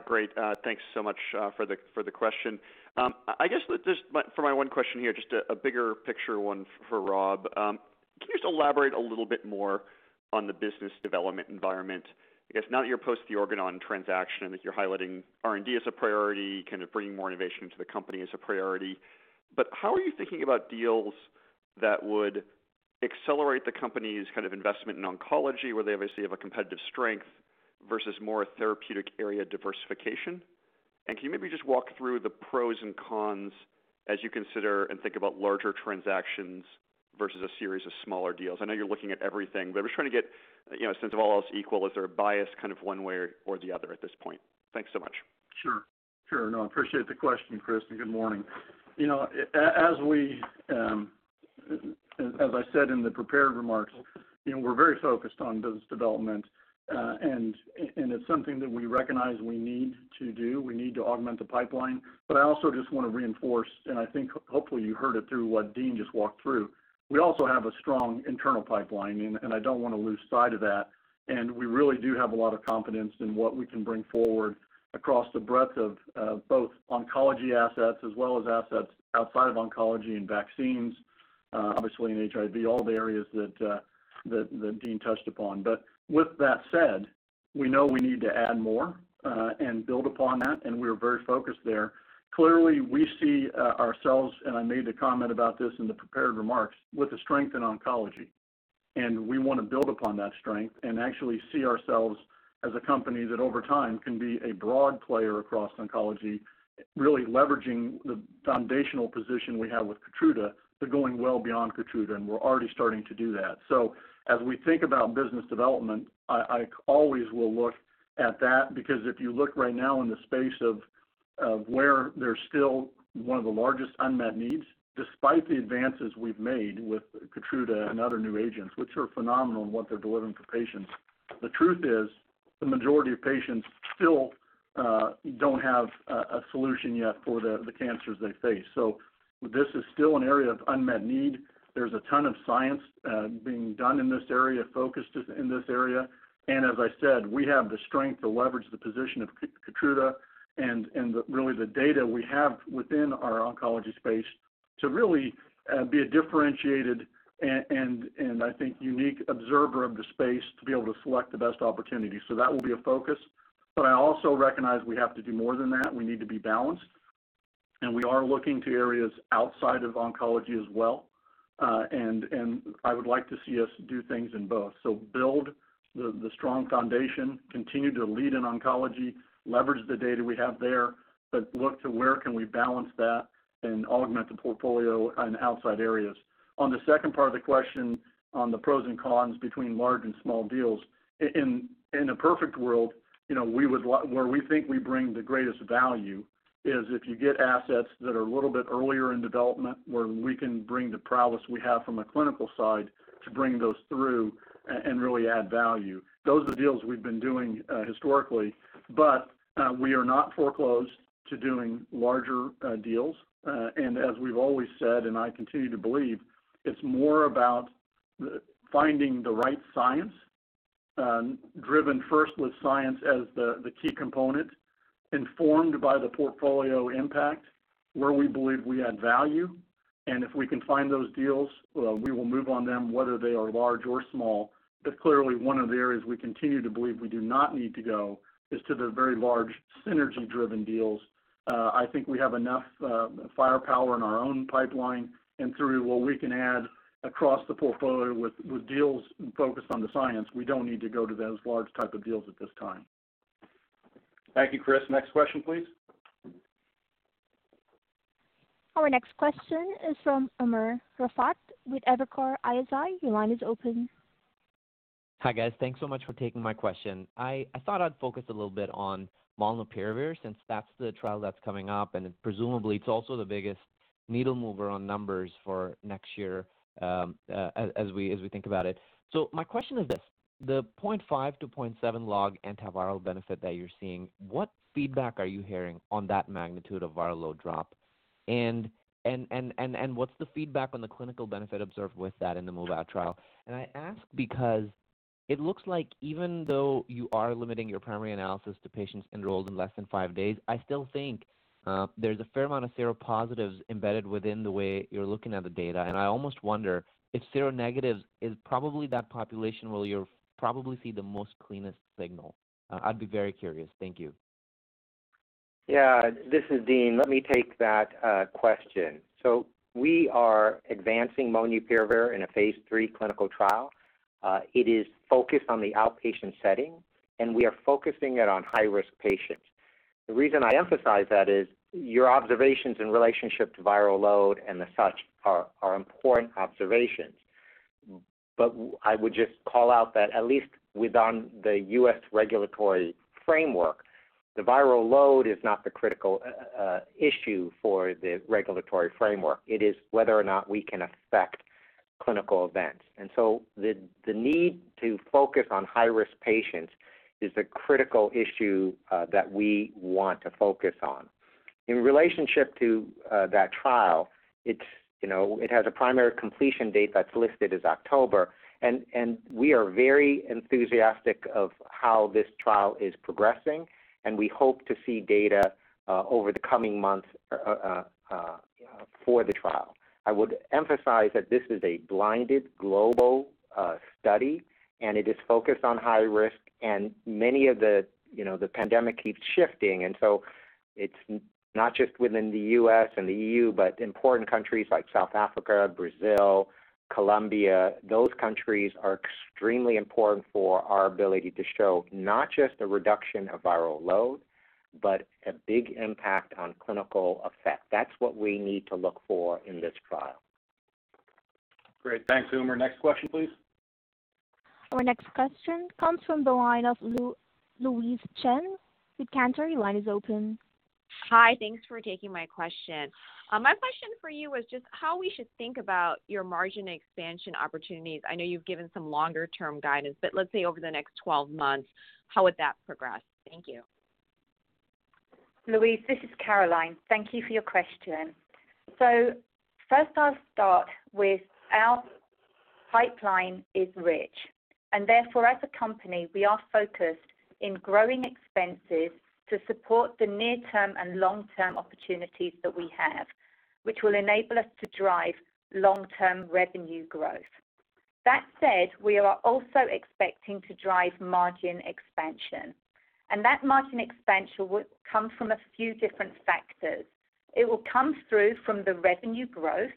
Great. Thanks so much for the question. I guess just for my one question here, just a bigger picture one for Rob. Can you just elaborate a little bit more on the business development environment? I guess now that you're post the Organon transaction, I think you're highlighting R&D as a priority, kind of bringing more innovation to the company as a priority. How are you thinking about deals that would accelerate the company's investment in oncology, where they obviously have a competitive strength versus more therapeutic area diversification? Can you maybe just walk through the pros and cons as you consider and think about larger transactions versus a series of smaller deals? I know you're looking at everything, but I'm just trying to get a sense of all else equal, is there a bias one way or the other at this point? Thanks so much. Sure. No, I appreciate the question, Chris, and good morning. As I said in the prepared remarks, we're very focused on business development, and it's something that we recognize we need to do. We need to augment the pipeline, but I also just want to reinforce, and I think hopefully you heard it through what Dean just walked through. We also have a strong internal pipeline, and I don't want to lose sight of that, and we really do have a lot of confidence in what we can bring forward across the breadth of both oncology assets as well as assets outside of oncology and vaccines, obviously in HIV, all the areas that Dean touched upon. With that said, we know we need to add more, and build upon that, and we are very focused there. Clearly, we see ourselves, and I made a comment about this in the prepared remarks, with a strength in oncology. We want to build upon that strength and actually see ourselves as a company that over time can be a broad player across oncology, really leveraging the foundational position we have with KEYTRUDA, but going well beyond KEYTRUDA, and we're already starting to do that. As we think about business development, I always will look at that because if you look right now in the space of where there's still one of the largest unmet needs, despite the advances we've made with KEYTRUDA and other new agents, which are phenomenal in what they're delivering for patients, the truth is, the majority of patients still don't have a solution yet for the cancers they face. This is still an area of unmet need. There's a ton of science being done in this area, focused in this area, and as I said, we have the strength to leverage the position of KEYTRUDA and really the data we have within our oncology space to really be a differentiated and I think unique observer of the space to be able to select the best opportunity. That will be a focus, but I also recognize we have to do more than that. We need to be balanced, and we are looking to areas outside of oncology as well. I would like to see us do things in both. Build the strong foundation, continue to lead in oncology, leverage the data we have there, but look to where can we balance that and augment the portfolio in outside areas. On the second part of the question, on the pros and cons between large and small deals. In a perfect world, where we think we bring the greatest value is if you get assets that are a little bit earlier in development, where we can bring the prowess we have from a clinical side to bring those through and really add value. Those are the deals we've been doing historically, but we are not foreclosed to doing larger deals. As we've always said, and I continue to believe, it's more about finding the right science, driven first with science as the key component, informed by the portfolio impact, where we believe we add value. If we can find those deals, we will move on them, whether they are large or small. Clearly, one of the areas we continue to believe we do not need to go is to the very large synergy-driven deals. I think we have enough firepower in our own pipeline and through what we can add across the portfolio with deals focused on the science. We don't need to go to those large type of deals at this time. Thank you, Chris. Next question, please. Our next question is from Umer Raffat with Evercore ISI. Your line is open. Hi, guys. Thanks so much for taking my question. I thought I'd focus a little bit on molnupiravir since that's the trial that's coming up, presumably, it's also the biggest needle mover on numbers for next year as we think about it. My question is this, the 0.5-0.7 log antiviral benefit that you're seeing, what feedback are you hearing on that magnitude of viral load drop? What's the feedback on the clinical benefit observed with that in the MOVe-OUT trial? I ask because it looks like even though you are limiting your primary analysis to patients enrolled in less than five days, I still think there's a fair amount of seropositives embedded within the way you're looking at the data. I almost wonder if seronegative is probably that population where you'll probably see the most cleanest signal. I'd be very curious. Thank you. Yeah. This is Dean. Let me take that question. We are advancing molnupiravir in a phase III clinical trial. It is focused on the outpatient setting, and we are focusing it on high-risk patients. The reason I emphasize that is your observations in relationship to viral load and the such are important observations. I would just call out that at least within the U.S. regulatory framework, the viral load is not the critical issue for the regulatory framework. It is whether or not we can affect clinical events. The need to focus on high-risk patients is the critical issue that we want to focus on. In relationship to that trial, it has a primary completion date that's listed as October, and we are very enthusiastic of how this trial is progressing, and we hope to see data over the coming months for the trial. I would emphasize that this is a blinded global study, it is focused on high risk, the pandemic keeps shifting, it's not just within the U.S. and the EU, but important countries like South Africa, Brazil, Colombia. Those countries are extremely important for our ability to show not just a reduction of viral load, but a big impact on clinical effect. That's what we need to look for in this trial. Great. Thanks, Umer. Next question, please. Our next question comes from the line of Louise Chen with Cantor. Your line is open. Hi. Thanks for taking my question. My question for you was just how we should think about your margin expansion opportunities. I know you've given some longer-term guidance, but let's say over the next 12 months, how would that progress? Thank you. Louise, this is Caroline. Thank you for your question. First I'll start with our pipeline is rich, and therefore as a company, we are focused in growing expenses to support the near-term and long-term opportunities that we have, which will enable us to drive long-term revenue growth. That said, we are also expecting to drive margin expansion. That margin expansion will come from a few different factors. It will come through from the revenue growth.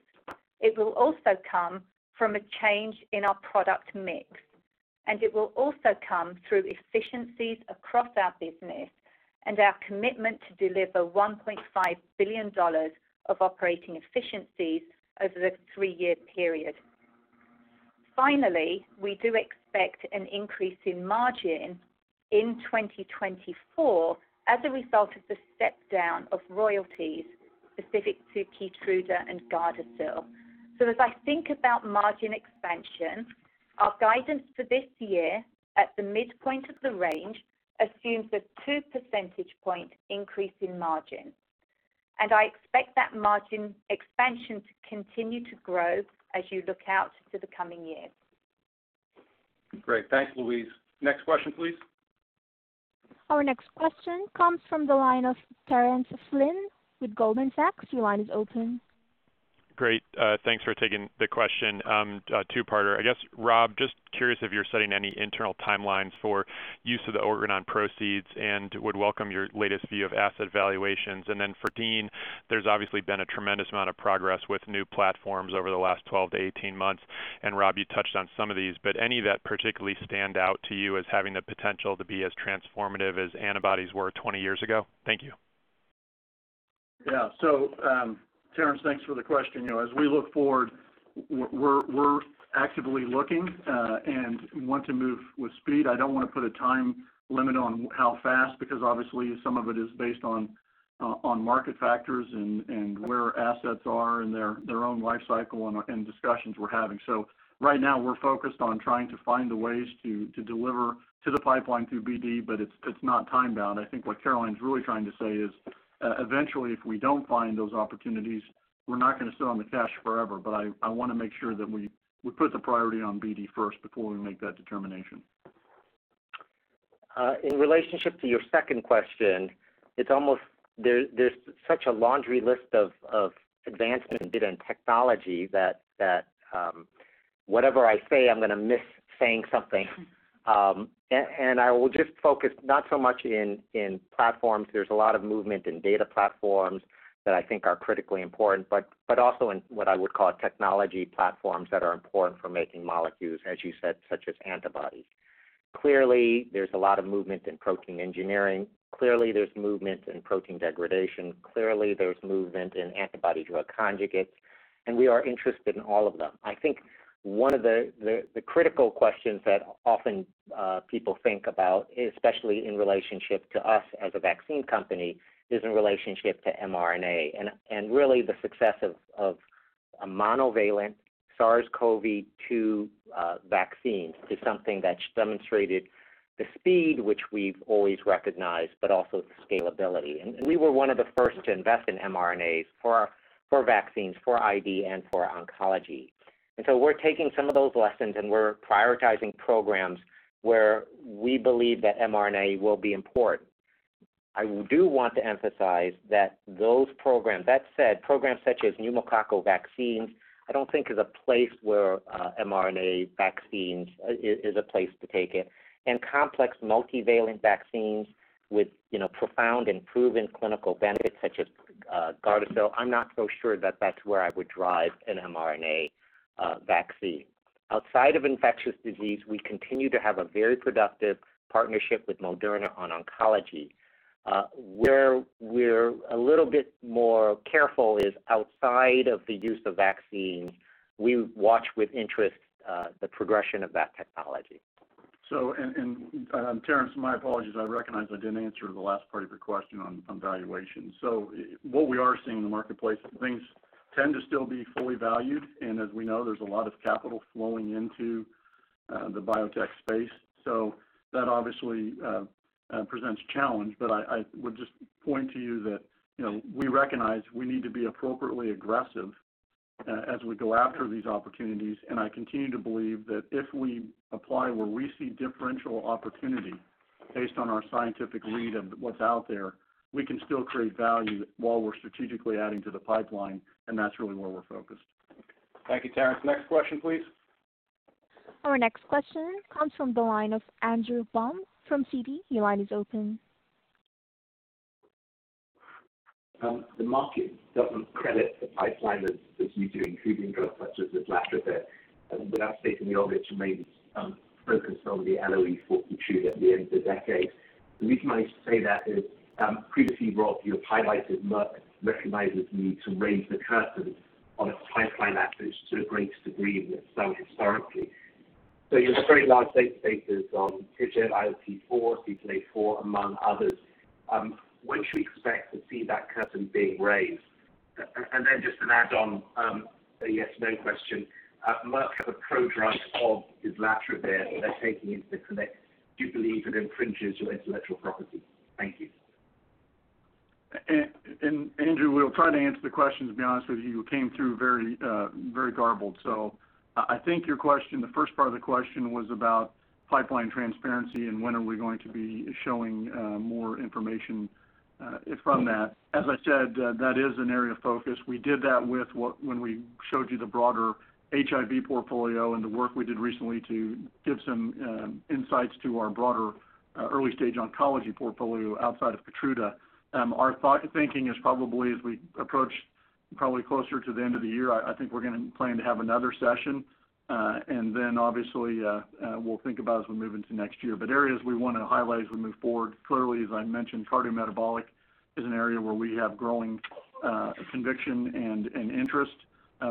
It will also come from a change in our product mix. It will also come through efficiencies across our business and our commitment to deliver $1.5 billion of operating efficiencies over the three-year period. Finally, we do expect an increase in margin in 2024 as a result of the step-down of royalties specific to KEYTRUDA and GARDASIL. As I think about margin expansion, our guidance for this year at the midpoint of the range assumes a 2 percentage point increase in margin. I expect that margin expansion to continue to grow as you look out to the coming years. Great. Thanks, Louise. Next question, please. Our next question comes from the line of Terence Flynn with Goldman Sachs. Your line is open. Great. Thanks for taking the question. Two-parter. I guess, Rob, just curious if you're setting any internal timelines for use of the Organon proceeds and would welcome your latest view of asset valuations. Then for Dean, there's obviously been a tremendous amount of progress with new platforms over the last 12-18 months, and Rob, you touched on some of these, but any that particularly stand out to you as having the potential to be as transformative as antibodies were 20 years ago? Thank you. Terence, thanks for the question. As we look forward, we're actively looking and want to move with speed. I don't want to put a time limit on how fast, because obviously some of it is based on market factors and where assets are in their own life cycle and discussions we're having. Right now we're focused on trying to find the ways to deliver to the pipeline through BD, but it's not time bound. I think what Caroline's really trying to say is, eventually, if we don't find those opportunities, we're not going to sit on the cash forever. I want to make sure that we put the priority on BD first before we make that determination. In relationship to your second question, there is such a laundry list of advancements in technology that whatever I say, I am going to miss saying something. I will just focus not so much in platforms. There is a lot of movement in data platforms that I think are critically important, but also in what I would call technology platforms that are important for making molecules, as you said, such as antibodies. Clearly, there is a lot of movement in protein engineering. Clearly, there is movement in protein degradation. Clearly, there is movement in antibody drug conjugates, and we are interested in all of them. I think one of the critical questions that often people think about, especially in relationship to us as a vaccine company, is in relationship to mRNA, and really the success of a monovalent SARS-CoV-2 vaccine is something that has demonstrated the speed which we have always recognized, but also the scalability. We were one of the first to invest in mRNAs for vaccines, for IV, and for oncology. So we're taking some of those lessons and we're prioritizing programs where we believe that mRNA will be important. I do want to emphasize that said, programs such as pneumococcal vaccines, I don't think is a place where mRNA vaccines is a place to take it. Complex multivalent vaccines with profound and proven clinical benefits such as GARDASIL, I'm not so sure that that's where I would drive an mRNA vaccine. Outside of infectious disease, we continue to have a very productive partnership with Moderna on oncology. Where we're a little bit more careful is outside of the use of vaccines. We watch with interest the progression of that technology. Terence, my apologies, I recognize I didn't answer the last part of your question on valuation. What we are seeing in the marketplace, things tend to still be fully valued. As we know, there's a lot of capital flowing into the biotech space. That obviously presents challenge. I would just point to you that we recognize we need to be appropriately aggressive as we go after these opportunities. I continue to believe that if we apply where we see differential opportunity based on our scientific read of what's out there, we can still create value while we're strategically adding to the pipeline, and that's really where we're focused. Thank you, Terence. Next question, please. Our next question comes from the line of Andrew Baum from Citi. Your line is open. The market doesn't credit the pipeline as you do, including drugs such as islatravir without stating the obvious, remains focused on the LOE 2042 at the end of the decade. The reason I say that is, previously, Rob, you have highlighted Merck recognizes the need to raise the curtain on its pipeline assets to a greater degree than it's done historically. You have very large late stages on TIGIT, ILT4, CTLA-4, among others. When should we expect to see that curtain being raised? Just to add on, a yes, no question. Merck has a pro-drug of islatravir that they're taking into the clinic. Do you believe it infringes your intellectual property? Thank you. Andrew, we'll try to answer the question. To be honest with you, it came through very garbled. I think your question, the first part of the question was about pipeline transparency and when are we going to be showing more information from that. As I said, that is an area of focus. We did that when we showed you the broader HIV portfolio and the work we did recently to give some insights to our broader early-stage oncology portfolio outside of KEYTRUDA. Our thinking is probably as we approach closer to the end of the year, I think we're going to plan to have another session. Obviously, we'll think about as we move into next year. Areas we want to highlight as we move forward, clearly, as I mentioned, cardiometabolic is an area where we have growing conviction and interest.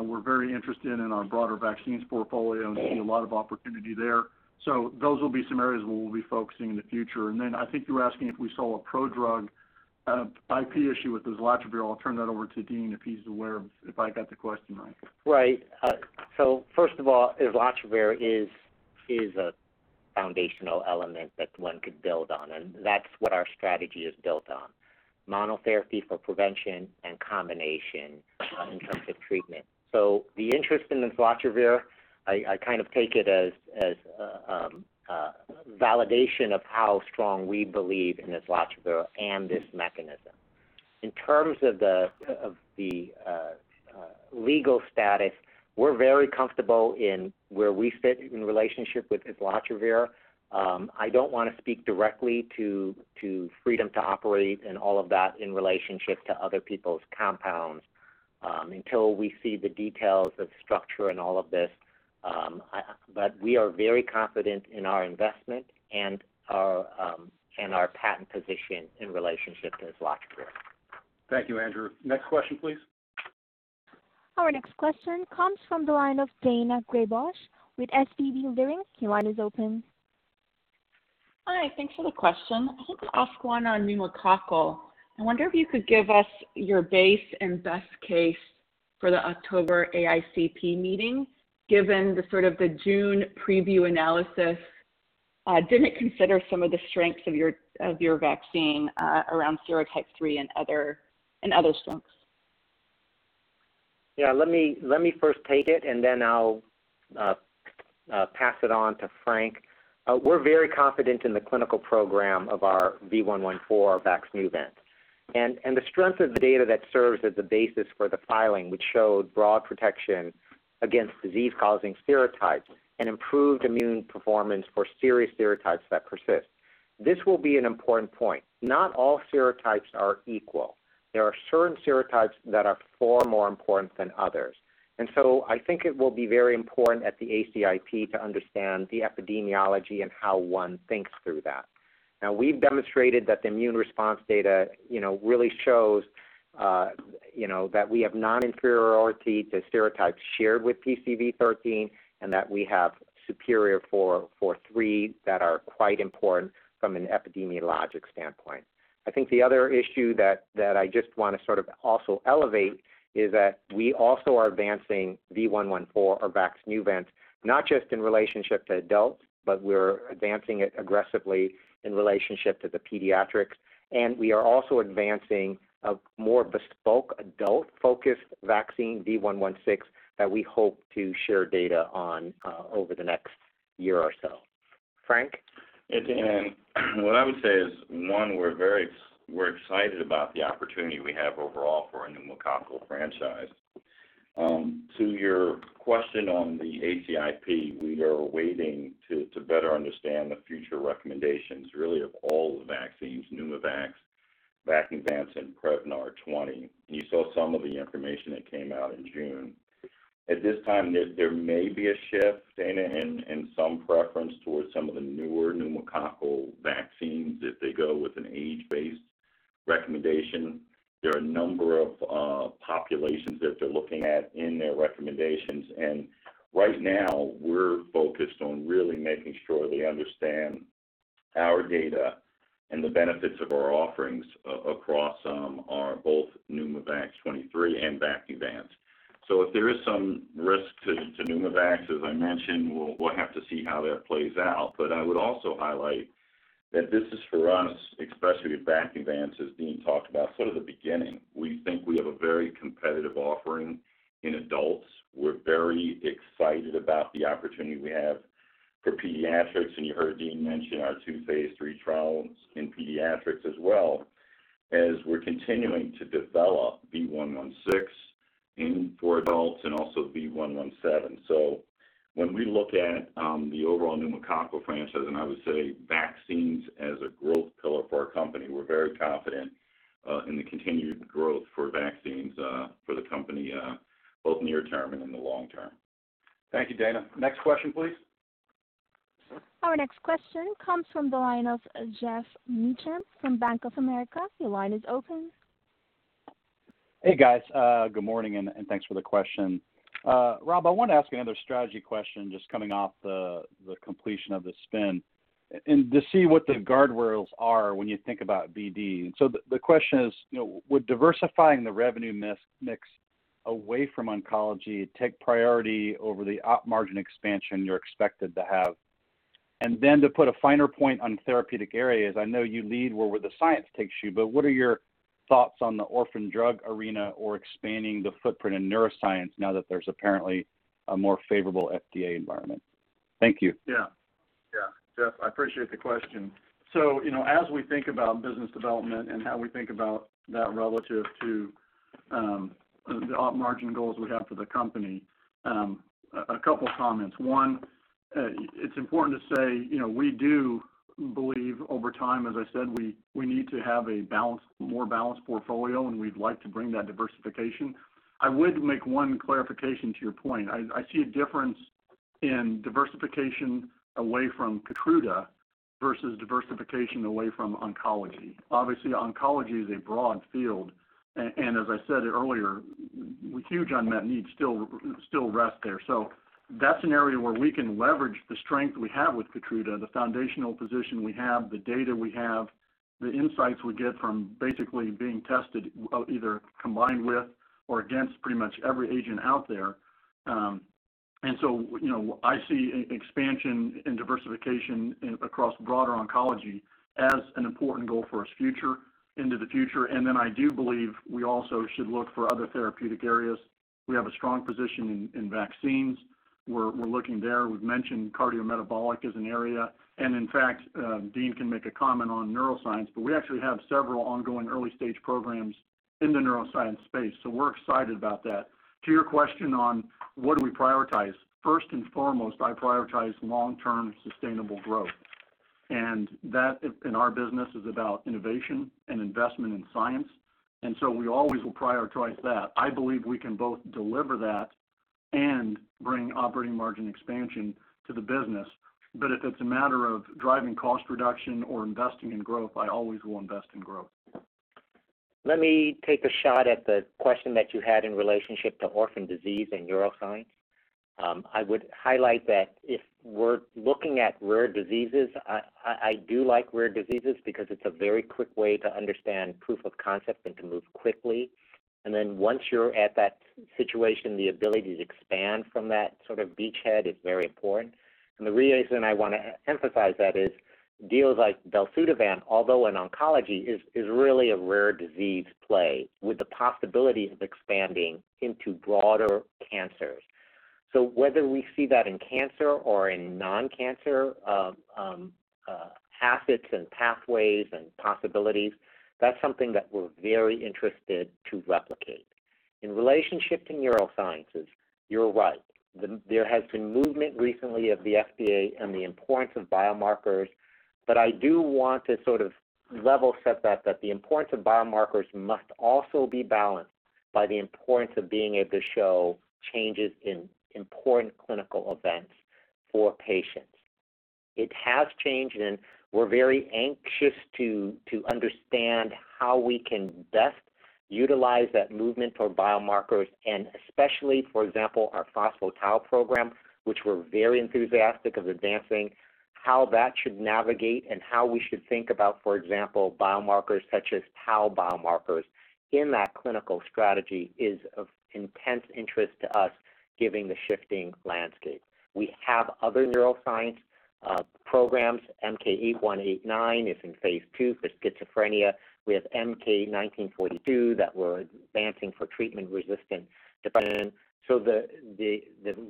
We're very interested in our broader vaccines portfolio and see a lot of opportunity there. Those will be some areas where we'll be focusing in the future. Then I think you were asking if we saw a pro-drug IP issue with islatravir. I'll turn that over to Dean if he's aware, if I got the question right. Right. First of all, islatravir is a foundational element that one could build on, and that's what our strategy is built on, monotherapy for prevention and combination in terms of treatment. The interest in islatravir, I take it as validation of how strong we believe in islatravir and this mechanism. In terms of the legal status, we're very comfortable in where we sit in relationship with islatravir. I don't want to speak directly to freedom to operate and all of that in relationship to other people's compounds, until we see the details of structure and all of this. We are very confident in our investment and our patent position in relationship to islatravir. Thank you, Andrew. Next question, please. Our next question comes from the line of Daina Graybosch with SVB Leerink. Your line is open. Hi, thanks for the question. I'd like to ask one on pneumococcal. I wonder if you could give us your base and best case for the October ACIP meeting, given the sort of the June preview analysis didn't consider some of the strengths of your vaccine around serotype 3 and other strengths. Yeah, let me first take it, and then I'll pass it on to Frank. We're very confident in the clinical program of our V114 or VAXNEUVANCE, and the strength of the data that serves as a basis for the filing, which showed broad protection against disease-causing serotypes and improved immune performance for serious serotypes that persist. This will be an important point. Not all serotypes are equal. There are certain serotypes that are far more important than others. I think it will be very important at the ACIP to understand the epidemiology and how one thinks through that. Now, we've demonstrated that the immune response data really shows that we have non-inferiority to serotypes shared with PCV13, and that we have superior for three that are quite important from an epidemiologic standpoint. I think the other issue that I just want to sort of also elevate is that we also are advancing V114 or VAXNEUVANCE, not just in relationship to adults, but we're advancing it aggressively in relationship to the pediatrics, and we are also advancing a more bespoke adult-focused vaccine, V116, that we hope to share data on over the next year or so. Frank? Yeah, Daina, what I would say is, one, we're excited about the opportunity we have overall for our pneumococcal franchise. To your question on the ACIP, we are waiting to better understand the future recommendations really of all the vaccines, PNEUMOVAX, VAXNEUVANCE, and PREVNAR 20. You saw some of the information that came out in June. At this time, there may be a shift, Daina, in some preference towards some of the newer pneumococcal vaccines if they go with an age-based recommendation. There are a number of populations that they're looking at in their recommendations, right now we're focused on really making sure they understand our data and the benefits of our offerings across our both PNEUMOVAX 23 and VAXNEUVANCE. If there is some risk to PNEUMOVAX, as I mentioned, we'll have to see how that plays out. I would also highlight that this is for us, especially with VAXNEUVANCE as Dean talked about, sort of the beginning. We think we have a very competitive offering in adults. We're very excited about the opportunity we have for pediatrics, and you heard Dean mention our two phase III trials in pediatrics as well, as we're continuing to develop V116 for adults and also V117. When we look at the overall pneumococcal franchise, and I would say vaccines as a growth pillar for our company, we're very confident in the continued growth for vaccines for the company both near term and in the long term. Thank you, Daina Graybosch. Next question, please. Our next question comes from the line of Geoff Meacham from Bank of America. Your line is open. Hey, guys. Good morning, and thanks for the question. Rob, I wanted to ask another strategy question just coming off the completion of the spin and to see what the guardrails are when you think about BD. The question is, would diversifying the revenue mix away from oncology take priority over the op margin expansion you're expected to have? To put a finer point on therapeutic areas, I know you lead where the science takes you, but what are your thoughts on the orphan drug arena or expanding the footprint in neuroscience now that there's apparently a more favorable FDA environment? Thank you. Yeah. Geoff, I appreciate the question. As we think about business development and how we think about that relative to the op margin goals we have for the company, a couple comments. One, it's important to say, we do believe over time, as I said, we need to have a more balanced portfolio, and we'd like to bring that diversification. I would make one clarification to your point. I see a difference in diversification away from KEYTRUDA versus diversification away from oncology. Obviously, oncology is a broad field, and as I said earlier, huge unmet needs still rest there. That's an area where we can leverage the strength we have with KEYTRUDA, the foundational position we have, the data we have, the insights we get from basically being tested, either combined with or against pretty much every agent out there. I see expansion and diversification across broader oncology as an important goal for us into the future. I do believe we also should look for other therapeutic areas. We have a strong position in vaccines. We're looking there. We've mentioned cardiometabolic as an area, and in fact, Dean can make a comment on neuroscience, but we actually have several ongoing early-stage programs in the neuroscience space. We're excited about that. To your question on what do we prioritize, first and foremost, I prioritize long-term sustainable growth, and that in our business is about innovation and investment in science, and so we always will prioritize that. I believe we can both deliver that and bring operating margin expansion to the business. If it's a matter of driving cost reduction or investing in growth, I always will invest in growth. Let me take a shot at the question that you had in relationship to orphan disease and neuroscience. I would highlight that if we're looking at rare diseases, I do like rare diseases because it's a very quick way to understand proof of concept and to move quickly. Once you're at that situation, the ability to expand from that sort of beachhead is very important. The reason I want to emphasize that is deals like belzutifan, although in oncology, is really a rare disease play with the possibilities of expanding into broader cancers. Whether we see that in cancer or in non-cancer assets and pathways and possibilities, that's something that we're very interested to replicate. In relationship to neurosciences, you're right. There has been movement recently of the FDA and the importance of biomarkers. I do want to sort of level set that the importance of biomarkers must also be balanced by the importance of being able to show changes in important clinical events for patients. It has changed. We're very anxious to understand how we can best utilize that movement for biomarkers, and especially, for example, our phospho-tau program, which we're very enthusiastic of advancing. How that should navigate and how we should think about, for example, biomarkers such as tau biomarkers in that clinical strategy is of intense interest to us given the shifting landscape. We have other neuroscience programs. MK-8189 is in phase II for schizophrenia. We have MK-1942 that we're advancing for treatment-resistant depression. The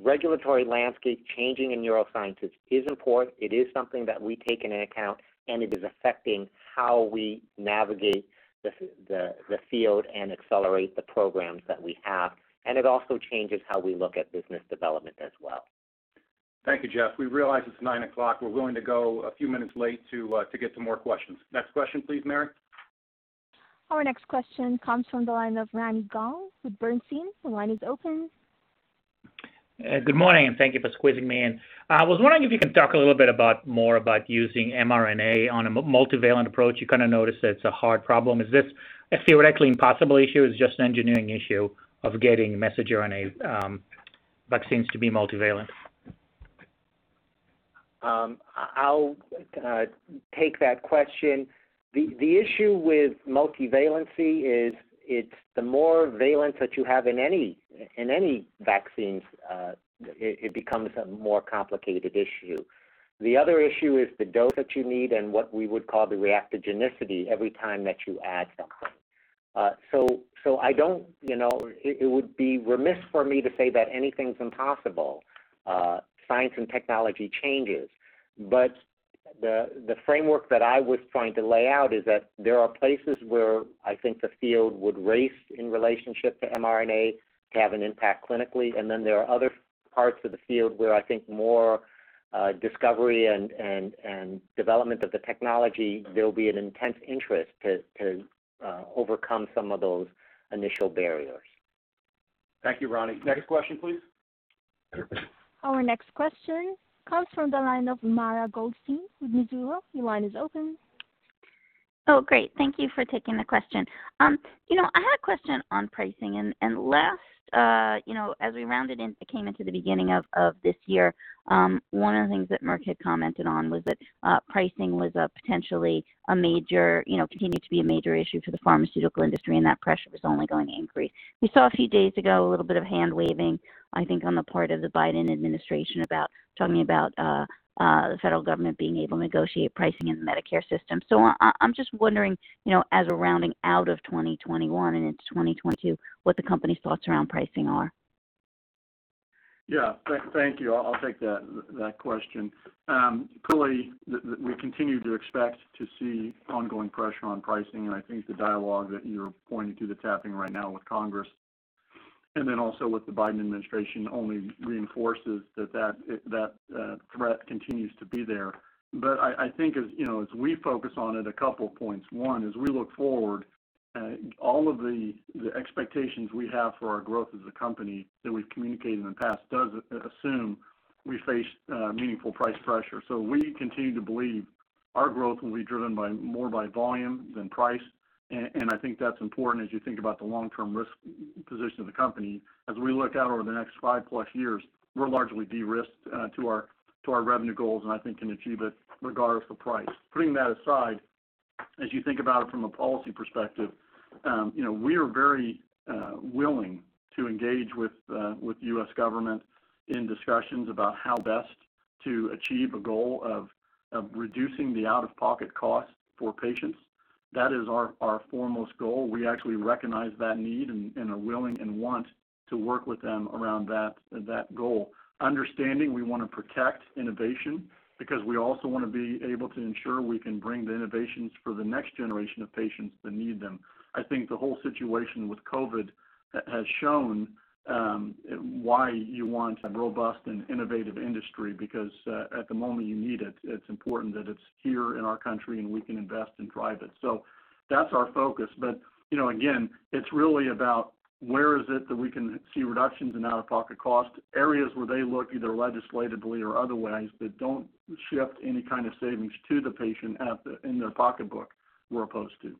regulatory landscape changing in neurosciences is important. It is something that we take into account, and it is affecting how we navigate the field and accelerate the programs that we have, and it also changes how we look at business development as well. Thank you, Geoff. We realize it's nine o'clock. We're willing to go a few minutes late to get some more questions. Next question, please, Mary. Our next question comes from the line of Ronny Gal with Bernstein. The line is open. Good morning. Thank you for squeezing me in. I was wondering if you can talk a little bit more about using mRNA on a multivalent approach. You kind of notice that it's a hard problem. Is this a theoretically impossible issue, or is it just an engineering issue of getting messenger RNA vaccines to be multivalent? I'll take that question. The issue with multivalency is it's the more valence that you have in any vaccines, it becomes a more complicated issue. The other issue is the dose that you need and what we would call the reactogenicity every time that you add something. It would be remiss for me to say that anything's impossible. Science and technology changes. The framework that I was trying to lay out is that there are places where I think the field would race in relationship to mRNA to have an impact clinically, and then there are other parts of the field where I think more discovery and development of the technology, there'll be an intense interest to overcome some of those initial barriers. Thank you, Ronny. Next question, please. Our next question comes from the line of Mara Goldstein with Mizuho. Your line is open. Oh, great. Thank you for taking the question. I had a question on pricing. Last, as we came into the beginning of this year, 1 of the things that Merck had commented on was that pricing was potentially continued to be a major issue for the pharmaceutical industry, and that pressure was only going to increase. We saw a few days ago, a little bit of hand-waving, I think, on the part of the Biden administration, talking about the federal government being able to negotiate pricing in the Medicare system. I'm just wondering, as we're rounding out of 2021 and into 2022, what the company's thoughts around pricing are. Yeah. Thank you. I'll take that question. Clearly, we continue to expect to see ongoing pressure on pricing, and I think the dialogue that you're pointing to, that's happening right now with Congress, and then also with the Biden administration, only reinforces that threat continues to be there. I think as we focus on it, a couple of points. One, as we look forward, all of the expectations we have for our growth as a company that we've communicated in the past does assume we face meaningful price pressure. We continue to believe our growth will be driven more by volume than price, and I think that's important as you think about the long-term risk position of the company. As we look out over the next 5+ years, we're largely de-risked to our revenue goals, and I think can achieve it regardless of price. Putting that aside, as you think about it from a policy perspective, we are very willing to engage with the U.S. government in discussions about how best to achieve a goal of reducing the out-of-pocket cost for patients. That is our foremost goal. We actually recognize that need and are willing and want to work with them around that goal, understanding we want to protect innovation because we also want to be able to ensure we can bring the innovations for the next generation of patients that need them. I think the whole situation with COVID-19 has shown why you want a robust and innovative industry, because at the moment you need it's important that it's here in our country, and we can invest and drive it. That's our focus. Again, it's really about where is it that we can see reductions in out-of-pocket cost, areas where they look either legislatively or other ways that don't shift any kind of savings to the patient in their pocketbook, we're opposed to.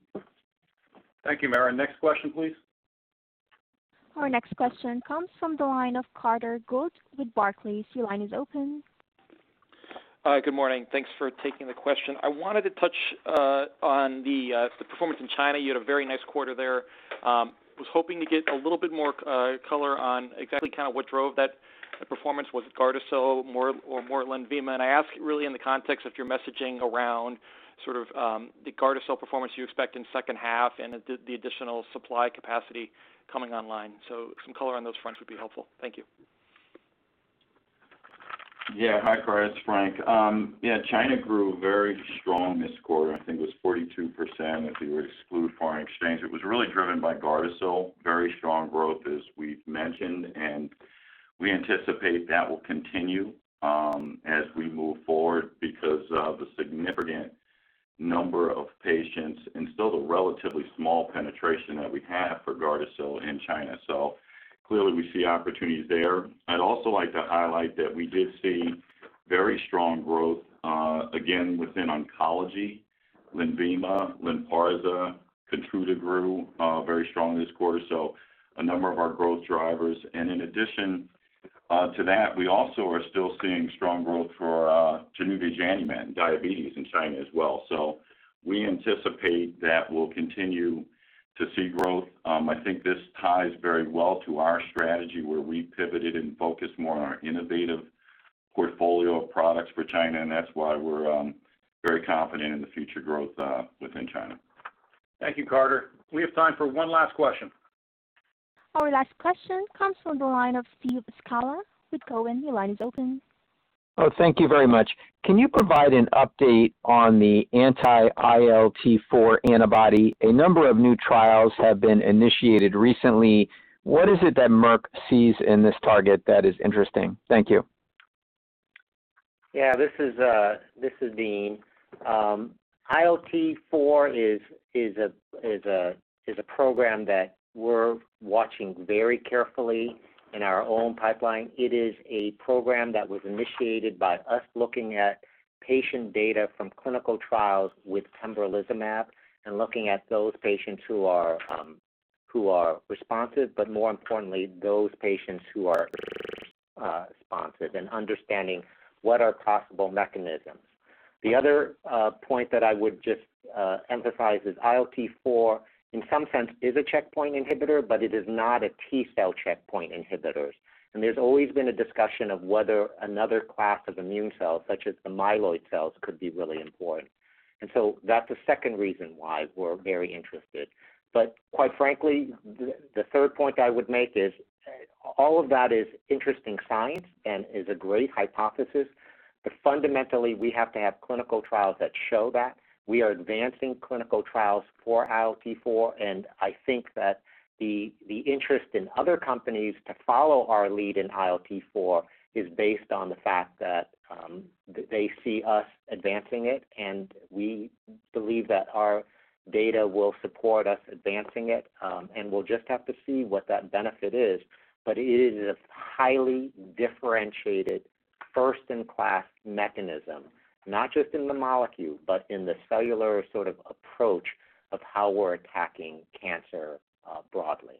Thank you, Mara. Next question, please. Our next question comes from the line of Carter Gould with Barclays. Your line is open. Good morning. Thanks for taking the question. I wanted to touch on the performance in China. You had a very nice quarter there. Was hoping to get a little bit more color on exactly kind of what drove that performance. Was it GARDASIL or more LENVIMA? I ask really in the context of your messaging around sort of the GARDASIL performance you expect in second half and the additional supply capacity coming online. Some color on those fronts would be helpful. Thank you. Hi, Carter. It's Frank. China grew very strong this quarter. I think it was 42% if we exclude foreign exchange. It was really driven by GARDASIL. Very strong growth, as we've mentioned, and we anticipate that will continue as we move forward because of the significant number of patients and still the relatively small penetration that we have for GARDASIL in China. Clearly, we see opportunities there. I'd also like to highlight that we did see very strong growth, again, within oncology, LENVIMA, LYNPARZA, KEYTRUDA grew very strong this quarter, so a number of our growth drivers. In addition to that, we also are still seeing strong growth for JANUMET and diabetes in China as well. We anticipate that we'll continue to see growth. I think this ties very well to our strategy where we pivoted and focused more on our innovative portfolio of products for China, and that's why we're very confident in the future growth within China. Thank you, Carter. We have time for one last question. Our last question comes from the line of Steve Scala with Cowen. Your line is open. Oh, thank you very much. Can you provide an update on the anti-ILT4 antibody? A number of new trials have been initiated recently. What is it that Merck sees in this target that is interesting? Thank you. Yeah, this is Dean. ILT4 is a program that we're watching very carefully in our own pipeline. It is a program that was initiated by us looking at patient data from clinical trials with pembrolizumab and looking at those patients who are responsive, but more importantly, those patients who are responsive and understanding what are possible mechanisms. The other point that I would just emphasize is ILT4, in some sense, is a checkpoint inhibitor, but it is not a T cell checkpoint inhibitor. There's always been a discussion of whether another class of immune cells, such as the myeloid cells, could be really important. So that's the second reason why we're very interested. Quite frankly, the third point I would make is all of that is interesting science and is a great hypothesis, but fundamentally, we have to have clinical trials that show that. We are advancing clinical trials for ILT4, and I think that the interest in other companies to follow our lead in ILT4 is based on the fact that they see us advancing it, and we believe that our data will support us advancing it, and we'll just have to see what that benefit is. It is a highly differentiated first-in-class mechanism, not just in the molecule, but in the cellular sort of approach of how we're attacking cancer broadly.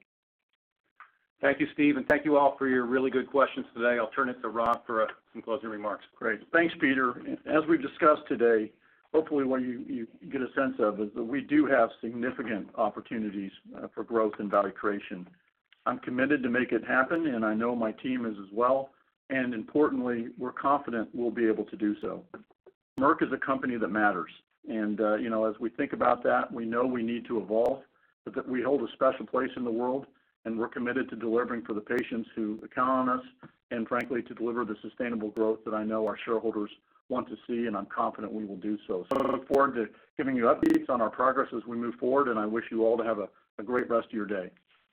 Thank you, Steve, thank you all for your really good questions today. I'll turn it to Rob for some closing remarks. Great. Thanks, Peter. As we've discussed today, hopefully what you get a sense of is that we do have significant opportunities for growth and value creation. I'm committed to make it happen, and I know my team is as well, and importantly, we're confident we'll be able to do so. Merck is a company that matters, and as we think about that, we know we need to evolve, but that we hold a special place in the world, and we're committed to delivering for the patients who count on us, and frankly, to deliver the sustainable growth that I know our shareholders want to see, and I'm confident we will do so. I look forward to giving you updates on our progress as we move forward, and I wish you all to have a great rest of your day.